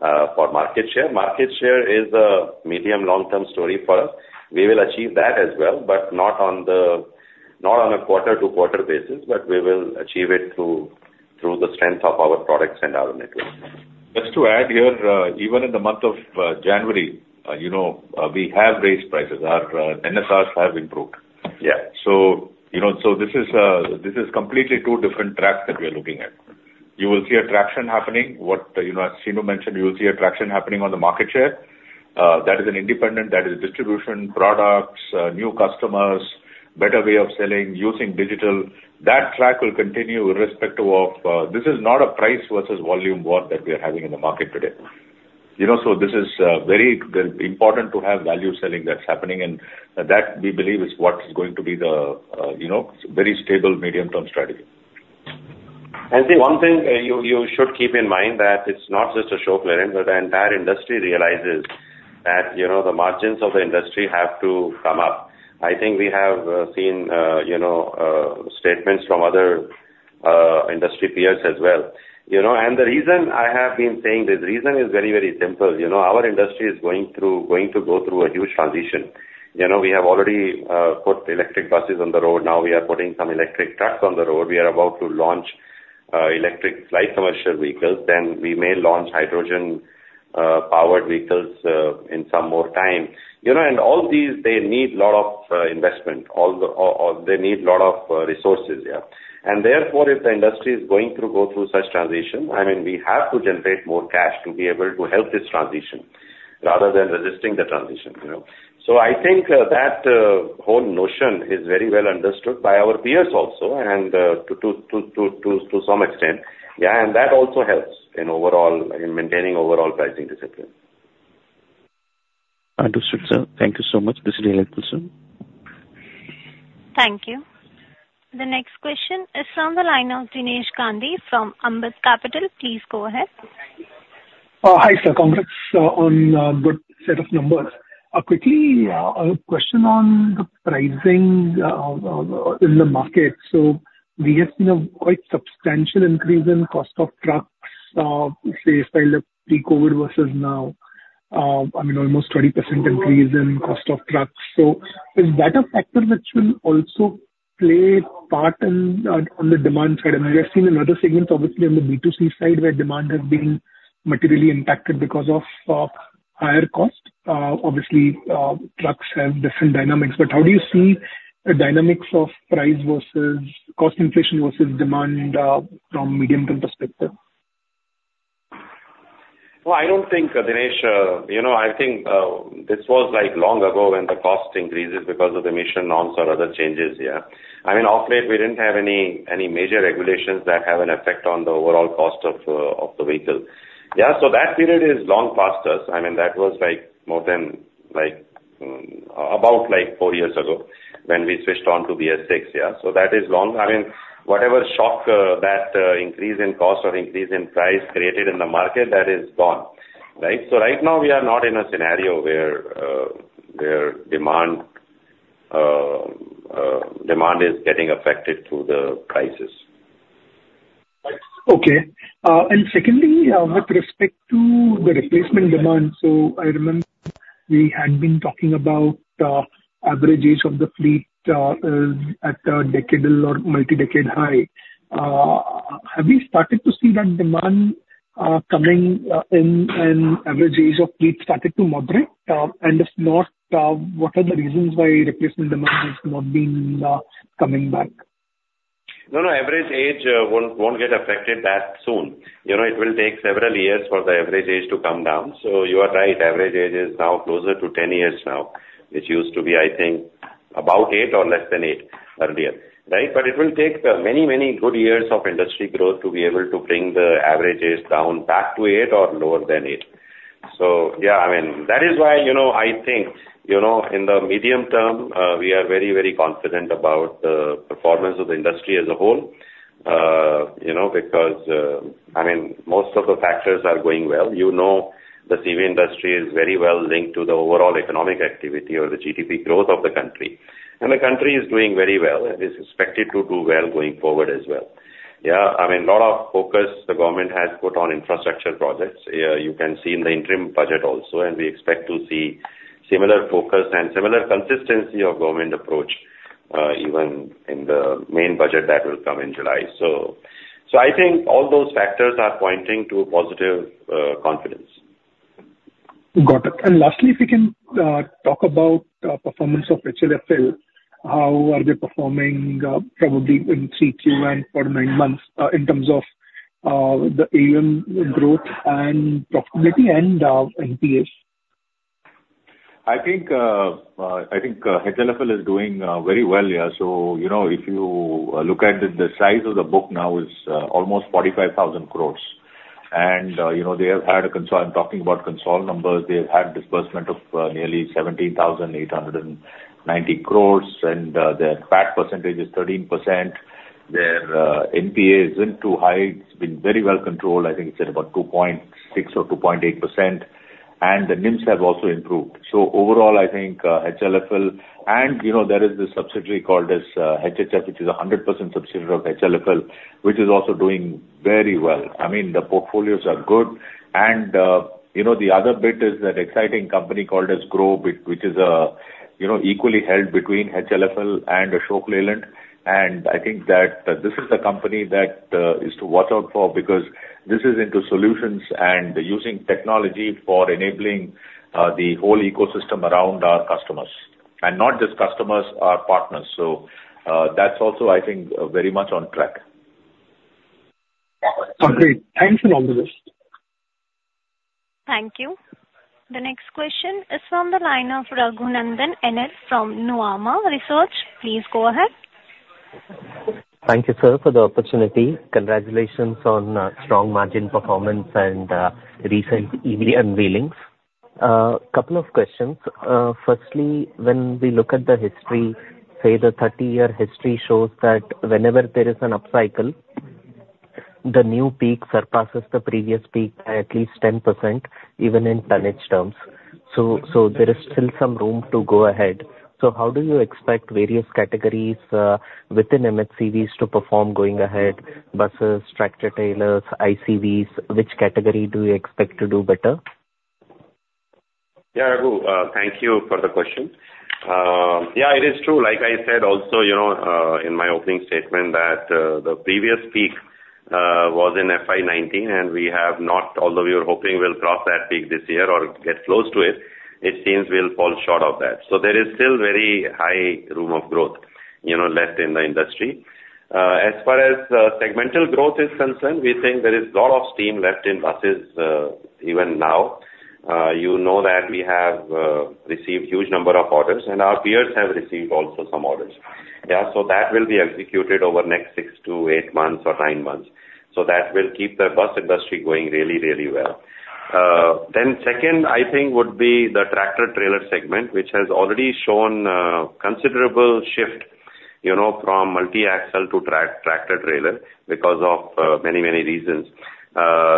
Speaker 3: for market share. Market share is a medium, long-term story for us. We will achieve that as well, but not on a quarter-to-quarter basis, but we will achieve it through the strength of our products and our network.
Speaker 5: Just to add here, even in the month of January, you know, we have raised prices. Our NSRs have improved.
Speaker 3: Yeah.
Speaker 5: So, you know, so this is, this is completely two different tracks that we are looking at. You will see a traction happening, you know, as Shenu mentioned, you will see a traction happening on the market share. That is an independent, that is distribution, products, new customers, better way of selling, using digital. That track will continue irrespective of... This is not a price versus volume war that we are having in the market today. You know, so this is, very important to have value selling that's happening, and that we believe is what is going to be the, you know, very stable medium-term strategy.
Speaker 3: See, one thing you should keep in mind that it's not just Ashok Leyland, but the entire industry realizes that, you know, the margins of the industry have to come up. I think we have seen you know statements from other industry peers as well. You know, and the reason I have been saying this, the reason is very, very simple. You know, our industry is going through, going to go through a huge transition. You know, we have already put electric buses on the road. Now, we are putting some electric trucks on the road. We are about to launch electric light commercial vehicles, then we may launch hydrogen powered vehicles in some more time. You know, and all these, they need lot of investment, or they need lot of resources, yeah. Therefore, if the industry is going to go through such transition, I mean, we have to generate more cash to be able to help this transition, rather than resisting the transition, you know? So I think that whole notion is very well understood by our peers also, and to some extent. Yeah, and that also helps in maintaining overall pricing discipline.
Speaker 9: Understood, sir. Thank you so much. This is...
Speaker 1: Thank you. The next question is from the line of Jinesh Gandhi from Ambit Capital. Please go ahead.
Speaker 10: Hi, sir. Congrats on good set of numbers. Quickly, a question on the pricing in the market. So we have seen a quite substantial increase in cost of trucks, say, since pre-COVID versus now, I mean, almost 20% increase in cost of trucks. So is that a factor which will also play part in on the demand side? And I have seen in other segments, obviously, on the B2C side, where demand has been materially impacted because of higher cost. Obviously, trucks have different dynamics, but how do you see the dynamics of price versus cost inflation versus demand from medium-term perspective?
Speaker 3: Well, I don't think, Jinesh, you know, I think this was, like, long ago, when the cost increases because of emission norms or other changes, yeah. I mean, of late, we didn't have any, any major regulations that have an effect on the overall cost of, of the vehicle. Yeah, so that period is long past us. I mean, that was, like, more than, like, about, like, four years ago when we switched on to BS VI, yeah. So that is long... I mean, whatever shock, that, increase in cost or increase in price created in the market, that is gone, right? So right now, we are not in a scenario where, where demand, demand is getting affected through the prices.
Speaker 10: Okay. And secondly, with respect to the replacement demand, so I remember we had been talking about average age of the fleet at a decadal or multi-decade high. Have we started to see that demand coming in, in average age of fleet started to moderate? And if not, what are the reasons why replacement demand is not being coming back?
Speaker 3: ...No, no, average age won't, won't get affected that soon. You know, it will take several years for the average age to come down. So you are right, average age is now closer to ten years now, which used to be, I think, about eight or less than eight earlier, right? But it will take many, many good years of industry growth to be able to bring the average age down back to eight or lower than eight. So yeah, I mean, that is why, you know, I think, you know, in the medium term, we are very, very confident about the performance of the industry as a whole. You know, because, I mean, most of the factors are going well. You know, the CV industry is very well linked to the overall economic activity or the GDP growth of the country, and the country is doing very well and is expected to do well going forward as well. Yeah, I mean, lot of focus the government has put on infrastructure projects. You can see in the interim budget also, and we expect to see similar focus and similar consistency of government approach, even in the main budget that will come in July. So, so I think all those factors are pointing to a positive, confidence.
Speaker 10: Got it. And lastly, if you can talk about performance of HLFL, how are they performing probably in three, two, and for nine months in terms of the AUM growth and profitability and NPA?
Speaker 3: I think HLFL is doing very well, yeah. So, you know, if you look at it, the size of the book now is almost 45,000 crore. And, you know, they have had a cons-- I'm talking about consolidated numbers. They've had disbursement of nearly 17,890 crore, and their PAT percentage is 13%. Their NPA isn't too high. It's been very well controlled. I think it's at about 2.6% or 2.8%, and the NIMs have also improved. So overall, I think HLFL and, you know, there is this subsidiary called as HHF, which is a 100% subsidiary of HLFL, which is also doing very well. I mean, the portfolios are good, and, you know, the other bit is that exciting company called as Gro, which is a, you know, equally held between HLFL and Ashok Leyland. And I think that this is the company that is to watch out for, because this is into solutions and using technology for enabling the whole ecosystem around our customers, and not just customers, our partners. So, that's also, I think, very much on track.
Speaker 10: Okay. Thanks a lot for this.
Speaker 1: Thank you. The next question is from the line of Raghunandhan N.L. from Nuvama Research. Please go ahead.
Speaker 11: Thank you, sir, for the opportunity. Congratulations on strong margin performance and recent EV unveilings. Couple of questions. Firstly, when we look at the history, say, the 30-year history shows that whenever there is an upcycle, the new peak surpasses the previous peak by at least 10%, even in tonnage terms. So there is still some room to go ahead. So how do you expect various categories within MHCVs to perform going ahead, buses, tractor-trailers, ICVs? Which category do you expect to do better?
Speaker 3: Yeah, Raghu, thank you for the question. Yeah, it is true. Like I said, also, you know, in my opening statement, that the previous peak was in FY 19, and we have not—although we were hoping we'll cross that peak this year or get close to it, it seems we'll fall short of that. So there is still very high room of growth, you know, left in the industry. As far as segmental growth is concerned, we think there is a lot of steam left in buses, even now. You know that we have received huge number of orders, and our peers have received also some orders. Yeah, so that will be executed over the next 6-8 months or 9 months. So that will keep the bus industry going really, really well. Then, second, I think, would be the tractor-trailer segment, which has already shown considerable shift, you know, from multi-axle to tractor-trailer because of many, many reasons.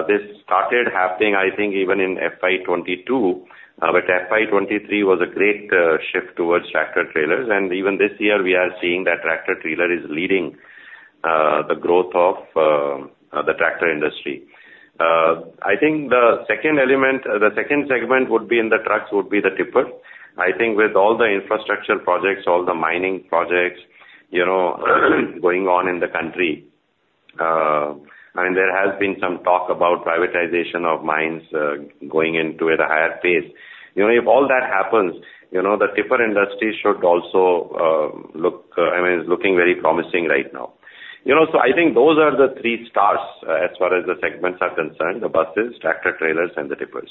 Speaker 3: This started happening, I think, even in FY 2022, but FY 2023 was a great shift towards tractor-trailers, and even this year we are seeing that tractor-trailer is leading the growth of the tractor industry. I think the second element, the second segment would be in the trucks, would be the tipper. I think with all the infrastructure projects, all the mining projects, you know, going on in the country, and there has been some talk about privatization of mines going into at a higher pace. You know, if all that happens, you know, the tipper industry should also look, I mean, is looking very promising right now. You know, so I think those are the three stars, as far as the segments are concerned: the buses, tractor-trailers, and the tippers.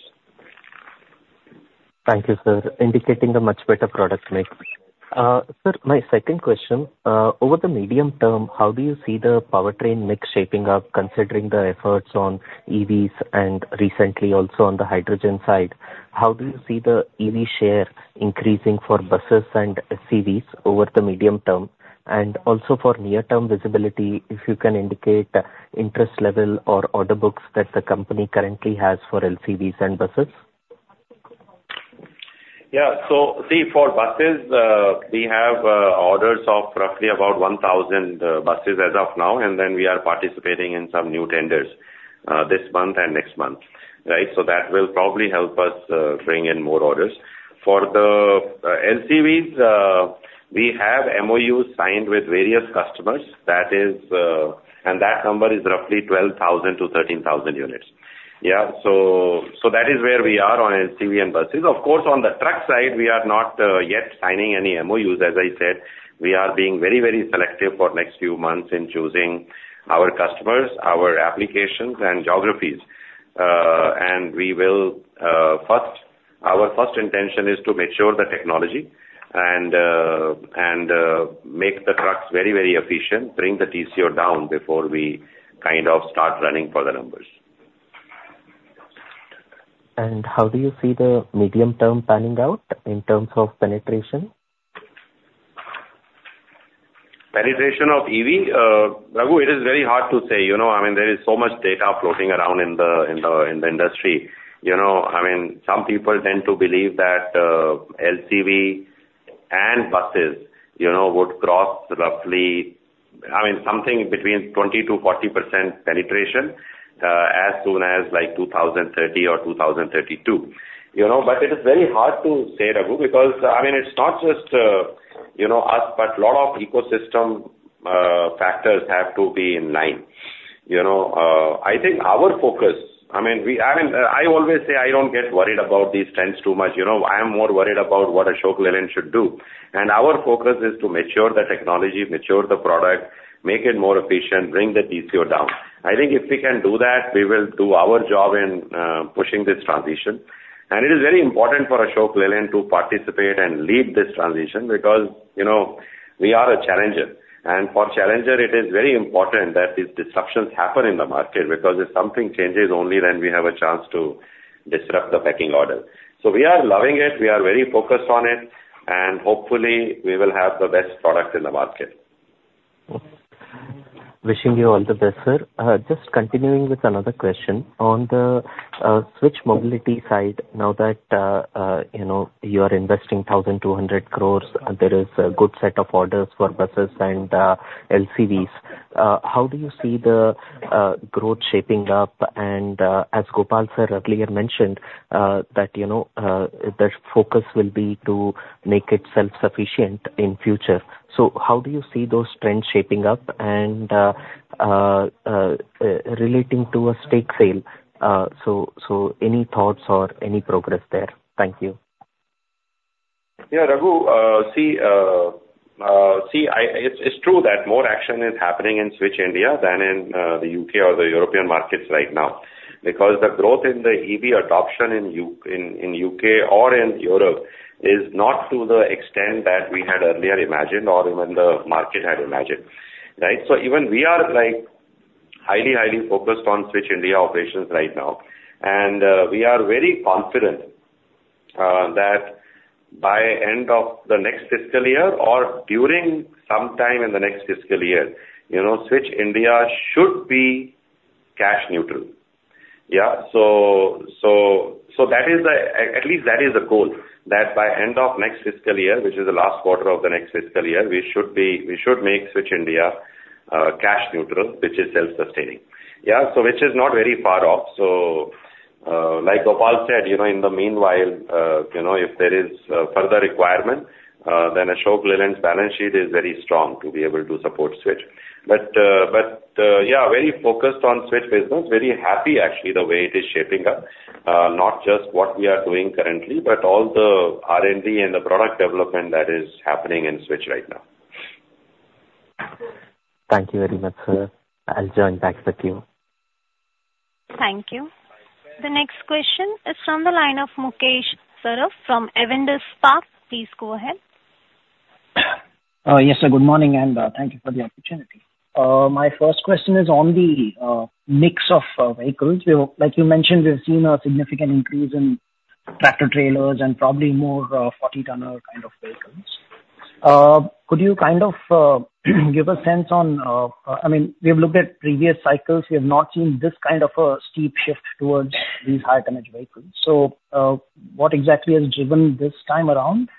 Speaker 11: Thank you, sir. Indicating a much better product mix. Sir, my second question, over the medium term, how do you see the powertrain mix shaping up, considering the efforts on EVs and recently also on the hydrogen side? How do you see the EV share increasing for buses and SCVs over the medium term? And also for near-term visibility, if you can indicate interest level or order books that the company currently has for LCVs and buses.
Speaker 3: Yeah. So see, for buses, we have orders of roughly about 1,000 buses as of now, and then we are participating in some new tenders this month and next month, right? So that will probably help us bring in more orders. For the LCVs, we have MOUs signed with various customers, that is, and that number is roughly 12,000-13,000 units. Yeah, so that is where we are on LCV and buses. Of course, on the truck side, we are not yet signing any MOUs. As I said, we are being very, very selective for next few months in choosing our customers, our applications and geographies. We will first, our first intention is to mature the technology and make the trucks very, very efficient, bring the TCO down before we kind of start running for the numbers.
Speaker 11: How do you see the medium-term panning out in terms of penetration?
Speaker 3: Penetration of EV? Raghu, it is very hard to say, you know, I mean, there is so much data floating around in the, in the, in the industry. You know, I mean, some people tend to believe that, LCV and buses, you know, would cross roughly, I mean, something between 20%-40% penetration, as soon as, like, 2030 or 2032. You know, but it is very hard to say, Raghu, because, I mean, it's not just, you know, us, but lot of ecosystem, factors have to be in line. You know, I think our focus, I mean, I always say I don't get worried about these trends too much. You know, I am more worried about what Ashok Leyland should do. Our focus is to mature the technology, mature the product, make it more efficient, bring the TCO down. I think if we can do that, we will do our job in pushing this transition. It is very important for Ashok Leyland to participate and lead this transition because, you know, we are a challenger. For challenger, it is very important that these disruptions happen in the market, because if something changes, only then we have a chance to disrupt the pecking order. So we are loving it, we are very focused on it, and hopefully we will have the best product in the market.
Speaker 11: Wishing you all the best, sir. Just continuing with another question. On the Switch Mobility side, now that you know, you are investing 1,200 crore, there is a good set of orders for buses and LCVs, how do you see the growth shaping up? And as Gopal sir earlier mentioned, that you know the focus will be to make it self-sufficient in future. So how do you see those trends shaping up and relating to a stake sale? So any thoughts or any progress there? Thank you.
Speaker 3: Yeah, Raghu, see, it's true that more action is happening in Switch India than in the U.K. or the European markets right now, because the growth in the EV adoption in UK or in Europe is not to the extent that we had earlier imagined or even the market had imagined, right? So even we are, like, highly, highly focused on Switch India operations right now. And we are very confident that by end of the next fiscal year or during sometime in the next fiscal year, you know, Switch India should be cash neutral. Yeah, so that is the... At least that is the goal, that by end of next fiscal year, which is the last quarter of the next fiscal year, we should make Switch India cash neutral, which is self-sustaining. Yeah, so which is not very far off. So, like Gopal said, you know, in the meanwhile, you know, if there is further requirement, then Ashok Leyland's balance sheet is very strong to be able to support Switch. But, but, yeah, very focused on Switch business. Very happy, actually, the way it is shaping up. Not just what we are doing currently, but all the R&D and the product development that is happening in Switch right now.
Speaker 11: Thank you very much, sir. I'll join back the queue.
Speaker 1: Thank you. The next question is from the line of Mukesh Saraf from Avendus Spark. Please go ahead.
Speaker 12: Yes, sir, good morning, and thank you for the opportunity. My first question is on the mix of vehicles. We have, like you mentioned, we have seen a significant increase in tractor-trailers and probably more 40-tonner kind of vehicles. Could you kind of give a sense on... I mean, we have looked at previous cycles, we have not seen this kind of a steep shift towards these higher tonnage vehicles. So, what exactly has driven this time around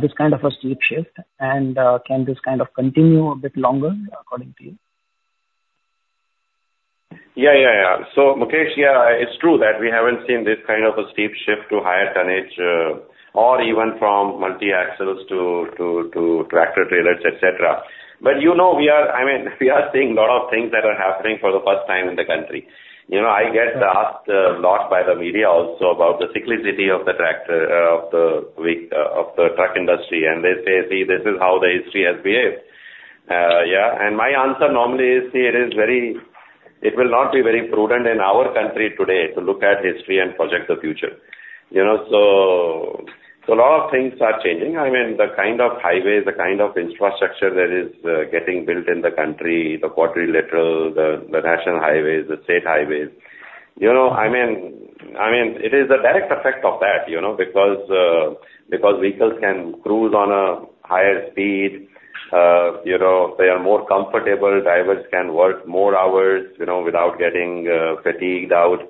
Speaker 12: this kind of a steep shift? And, can this kind of continue a bit longer, according to you?
Speaker 3: Yeah, yeah, yeah. So, Mukesh, yeah, it's true that we haven't seen this kind of a steep shift to higher tonnage, or even from multi-axles to tractor-trailers, et cetera. But you know, we are, I mean, we are seeing a lot of things that are happening for the first time in the country. You know, I get asked a lot by the media also about the cyclicity of the tractor, of the truck industry, and they say: See, this is how the history has behaved. Yeah, and my answer normally is, "See, it is very, it will not be very prudent in our country today to look at history and project the future." You know, so a lot of things are changing. I mean, the kind of highways, the kind of infrastructure that is getting built in the country, the quadrilateral, the national highways, the state highways, you know, I mean, I mean, it is a direct effect of that, you know, because, because vehicles can cruise on a higher speed, you know, they are more comfortable. Drivers can work more hours, you know, without getting fatigued out.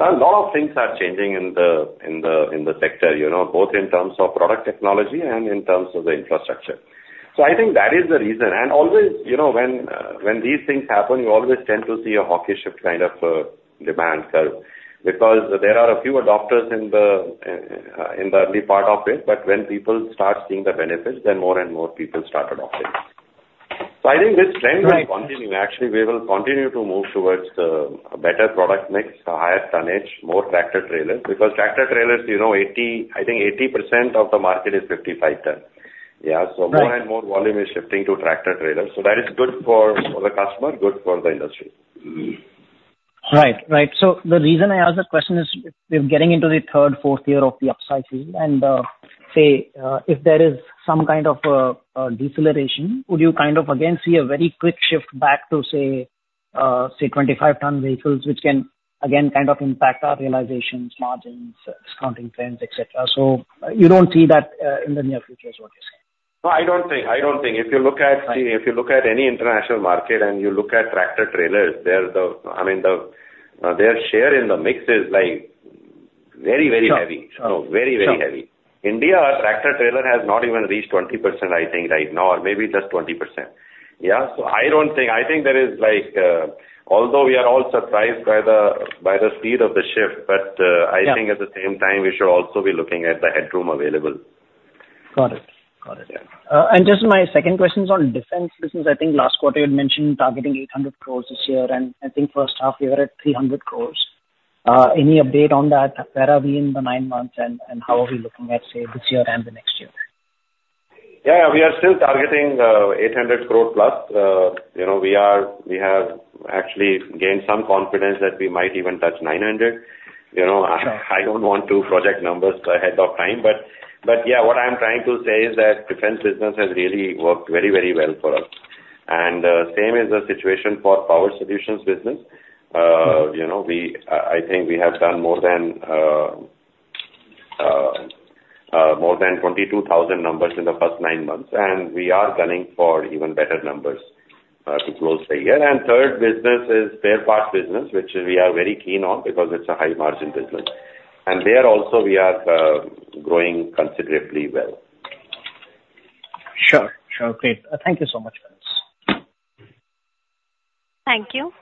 Speaker 3: A lot of things are changing in the sector, you know, both in terms of product technology and in terms of the infrastructure. So I think that is the reason. Always, you know, when these things happen, you always tend to see a hockey stick kind of demand curve, because there are a few adopters in the early part of it, but when people start seeing the benefits, then more and more people start adopting. So I think this trend will continue. Actually, we will continue to move towards better product mix, a higher tonnage, more tractor-trailers, because tractor-trailers, you know, 80%, I think 80% of the market is 55 ton. Yeah.
Speaker 12: Right.
Speaker 3: More and more volume is shifting to tractor-trailers. That is good for the customer, good for the industry.
Speaker 12: Right. Right. So the reason I ask the question is, if getting into the third, fourth year of the upcycling and, say, if there is some kind of a deceleration, would you kind of again see a very quick shift back to, say, 25-ton vehicles, which can again, kind of impact our realizations, margins, discounting trends, et cetera? So you don't see that, in the near future, is what you're saying?
Speaker 3: No, I don't think. I don't think. If you look at-
Speaker 12: Right.
Speaker 3: If you look at any international market and you look at tractor-trailers, they're the, I mean, the, their share in the mix is like very, very heavy.
Speaker 12: Sure.
Speaker 3: So very, very heavy.
Speaker 12: Sure.
Speaker 3: India, tractor-trailer has not even reached 20%, I think, right now, or maybe just 20%. Yeah, so I don't think... I think there is like, although we are all surprised by the speed of the shift, but,
Speaker 12: Yeah...
Speaker 3: I think at the same time, we should also be looking at the headroom available.
Speaker 12: Got it. Got it.
Speaker 3: Yeah.
Speaker 12: And just my second question is on defense business. I think last quarter you had mentioned targeting 800 crore this year, and I think first half, you were at 300 crore. Any update on that? Where are we in the nine months, and how are we looking at, say, this year and the next year?
Speaker 3: Yeah, we are still targeting 800 crore plus. You know, we have actually gained some confidence that we might even touch 900 crore. You know,
Speaker 12: Sure.
Speaker 3: I don't want to project numbers ahead of time, but yeah, what I'm trying to say is that defense business has really worked very, very well for us. And same is the situation for power solutions business. You know, we, I think we have done more than, more than 22,000 numbers in the first nine months, and we are gunning for even better numbers to close the year. And third business is spare parts business, which we are very keen on because it's a high margin business. And there also, we are growing considerably well.
Speaker 12: Sure. Sure. Great. Thank you so much, Sirs.
Speaker 1: Thank you.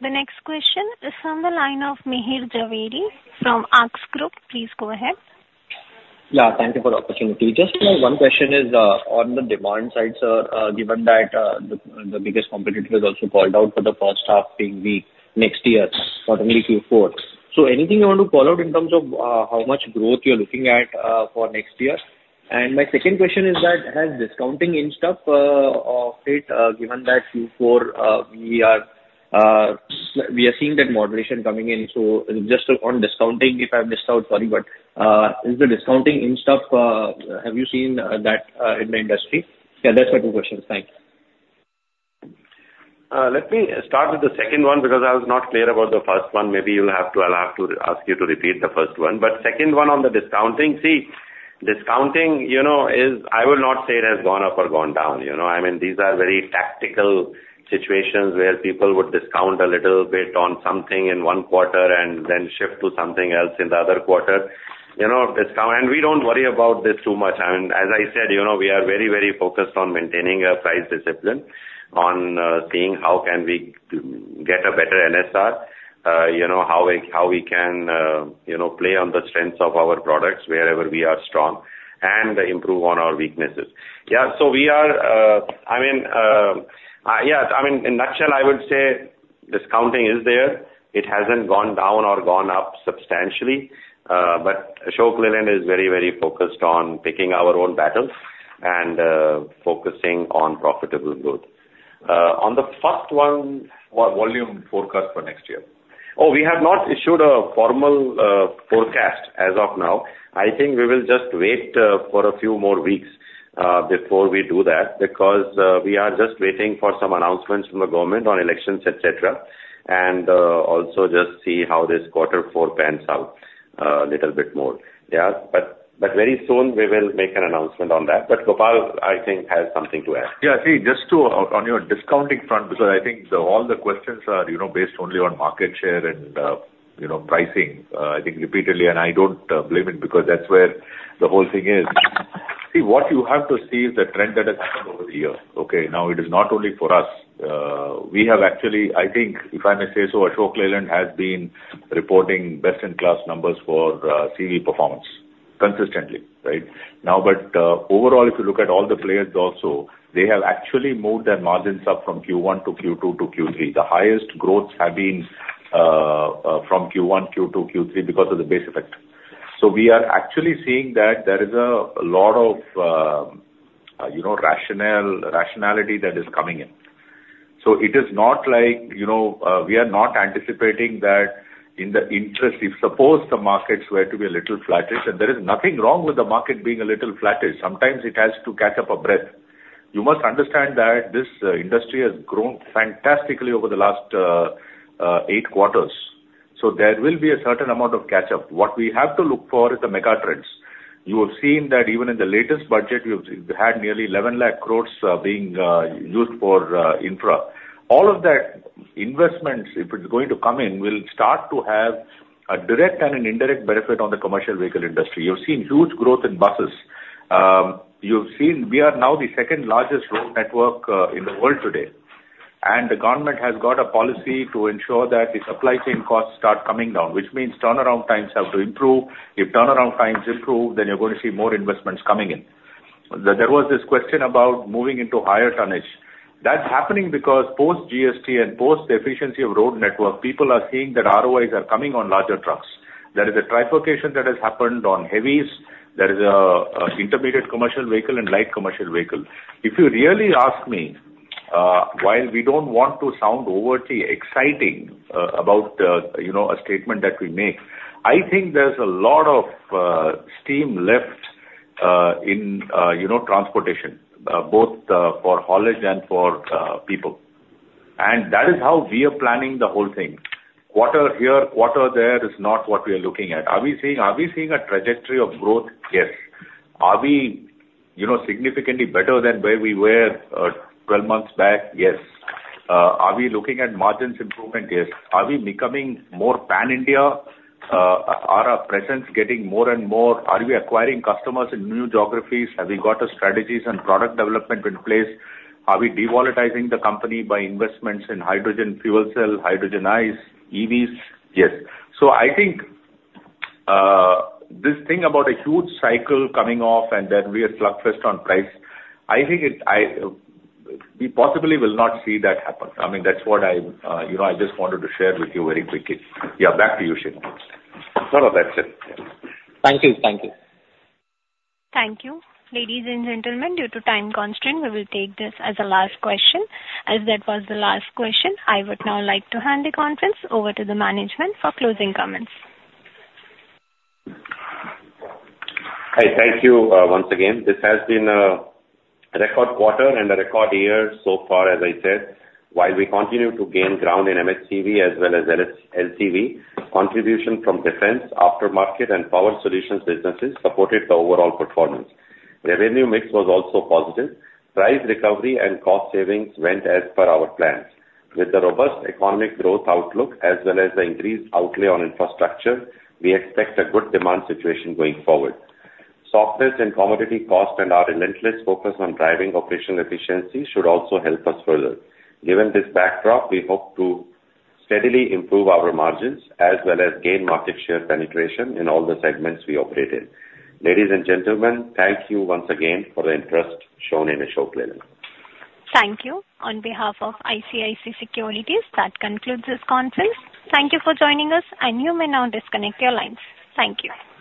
Speaker 1: The next question is from the line of Mihir Jhaveri from Axis Capital. Please go ahead.
Speaker 13: Yeah, thank you for the opportunity. Just my one question is on the demand side, sir. Given that the biggest competitor has also called out for the first half being weak next year, not only Q4. So anything you want to call out in terms of how much growth you're looking at for next year? And my second question is that has discounting intensified given that Q4 we are seeing that moderation coming in, so just on discounting, if I've missed out, sorry, but is the discounting intensified, have you seen that in the industry? Yeah, that's my two questions. Thanks.
Speaker 3: Let me start with the second one, because I was not clear about the first one. Maybe you'll have to, I'll have to ask you to repeat the first one. But second one on the discounting: See, discounting, you know, is, I will not say it has gone up or gone down. You know, I mean, these are very tactical situations where people would discount a little bit on something in one quarter and then shift to something else in the other quarter. You know, discount, and we don't worry about this too much. I mean, as I said, you know, we are very, very focused on maintaining a price discipline, on, seeing how can we get a better NSR, you know, how we, how we can, you know, play on the strengths of our products wherever we are strong and improve on our weaknesses. Yeah, so we are, I mean, yeah, I mean, in a nutshell, I would say discounting is there. It hasn't gone down or gone up substantially, but Ashok Leyland is very, very focused on picking our own battles and, focusing on profitable growth. On the first one-
Speaker 13: What volume forecast for next year?
Speaker 3: Oh, we have not issued a formal forecast as of now. I think we will just wait for a few more weeks before we do that, because we are just waiting for some announcements from the government on elections, et cetera. And also just see how this quarter four pans out, little bit more. Yeah, but very soon we will make an announcement on that. But Gopal, I think, has something to add.
Speaker 5: Yeah, I think just to on your discounting front, because I think all the questions are, you know, based only on market share and, you know, pricing. I think repeatedly, and I don't blame it, because that's where the whole thing is. See, what you have to see is the trend that has happened over the years, okay? Now, it is not only for us. We have actually, I think, if I may say so, Ashok Leyland has been reporting best-in-class numbers for CV performance consistently, right? Now, but overall, if you look at all the players also, they have actually moved their margins up from Q1 to Q2 to Q3. The highest growths have been from Q1, Q2, Q3, because of the base effect. So we are actually seeing that there is a lot of, you know, rationale, rationality that is coming in. So it is not like, you know, we are not anticipating that in the interest, if suppose the markets were to be a little flattish, and there is nothing wrong with the market being a little flattish, sometimes it has to catch up a breath. You must understand that this industry has grown fantastically over the last eight quarters. So there will be a certain amount of catch-up. What we have to look for is the mega trends. You have seen that even in the latest budget, you've had nearly 1,100,000 crore being used for infra. All of that investments, if it's going to come in, will start to have a direct and an indirect benefit on the commercial vehicle industry. You've seen huge growth in buses. You've seen we are now the second largest road network in the world today. The government has got a policy to ensure that the supply chain costs start coming down, which means turnaround times have to improve. If turnaround times improve, then you're going to see more investments coming in. There was this question about moving into higher tonnage. That's happening because post-GST and post the efficiency of road network, people are seeing that ROIs are coming on larger trucks. There is a trifurcation that has happened on heavies. There is a intermediate commercial vehicle and light commercial vehicle. If you really ask me, while we don't want to sound overtly exciting, about, you know, a statement that we make, I think there's a lot of steam left, in, you know, transportation, both, for haulage and for people. And that is how we are planning the whole thing. Quarter here, quarter there, is not what we are looking at. Are we seeing, are we seeing a trajectory of growth? Yes. Are we, you know, significantly better than where we were, 12 months back? Yes. Are we looking at margins improvement? Yes. Are we becoming more pan-India? Are our presence getting more and more... Are we acquiring customers in new geographies? Have we got the strategies and product development in place? Are we devolatilizing the company by investments in hydrogen, fuel cell, hydrogen ICE, EVs? Yes. So I think this thing about a huge cycle coming off and then we are slugfest on price. I think it, I, we possibly will not see that happen. I mean, that's what I, you know, I just wanted to share with you very quickly. Yeah, back to you, Shenu. No, no, that's it.
Speaker 13: Thank you. Thank you.
Speaker 1: Thank you. Ladies and gentlemen, due to time constraint, we will take this as a last question. As that was the last question, I would now like to hand the conference over to the management for closing comments.
Speaker 3: Hi, thank you, once again. This has been a record quarter and a record year so far, as I said. While we continue to gain ground in MHCV as well as LCV, contribution from defense, aftermarket, and power solutions businesses supported the overall performance. Revenue mix was also positive. Price recovery and cost savings went as per our plans. With the robust economic growth outlook, as well as the increased outlay on infrastructure, we expect a good demand situation going forward. Softness in commodity cost and our relentless focus on driving operational efficiency should also help us further. Given this backdrop, we hope to steadily improve our margins, as well as gain market share penetration in all the segments we operate in. Ladies and gentlemen, thank you once again for the interest shown in Ashok Leyland.
Speaker 1: Thank you. On behalf of ICICI Securities, that concludes this conference. Thank you for joining us, and you may now disconnect your lines. Thank you.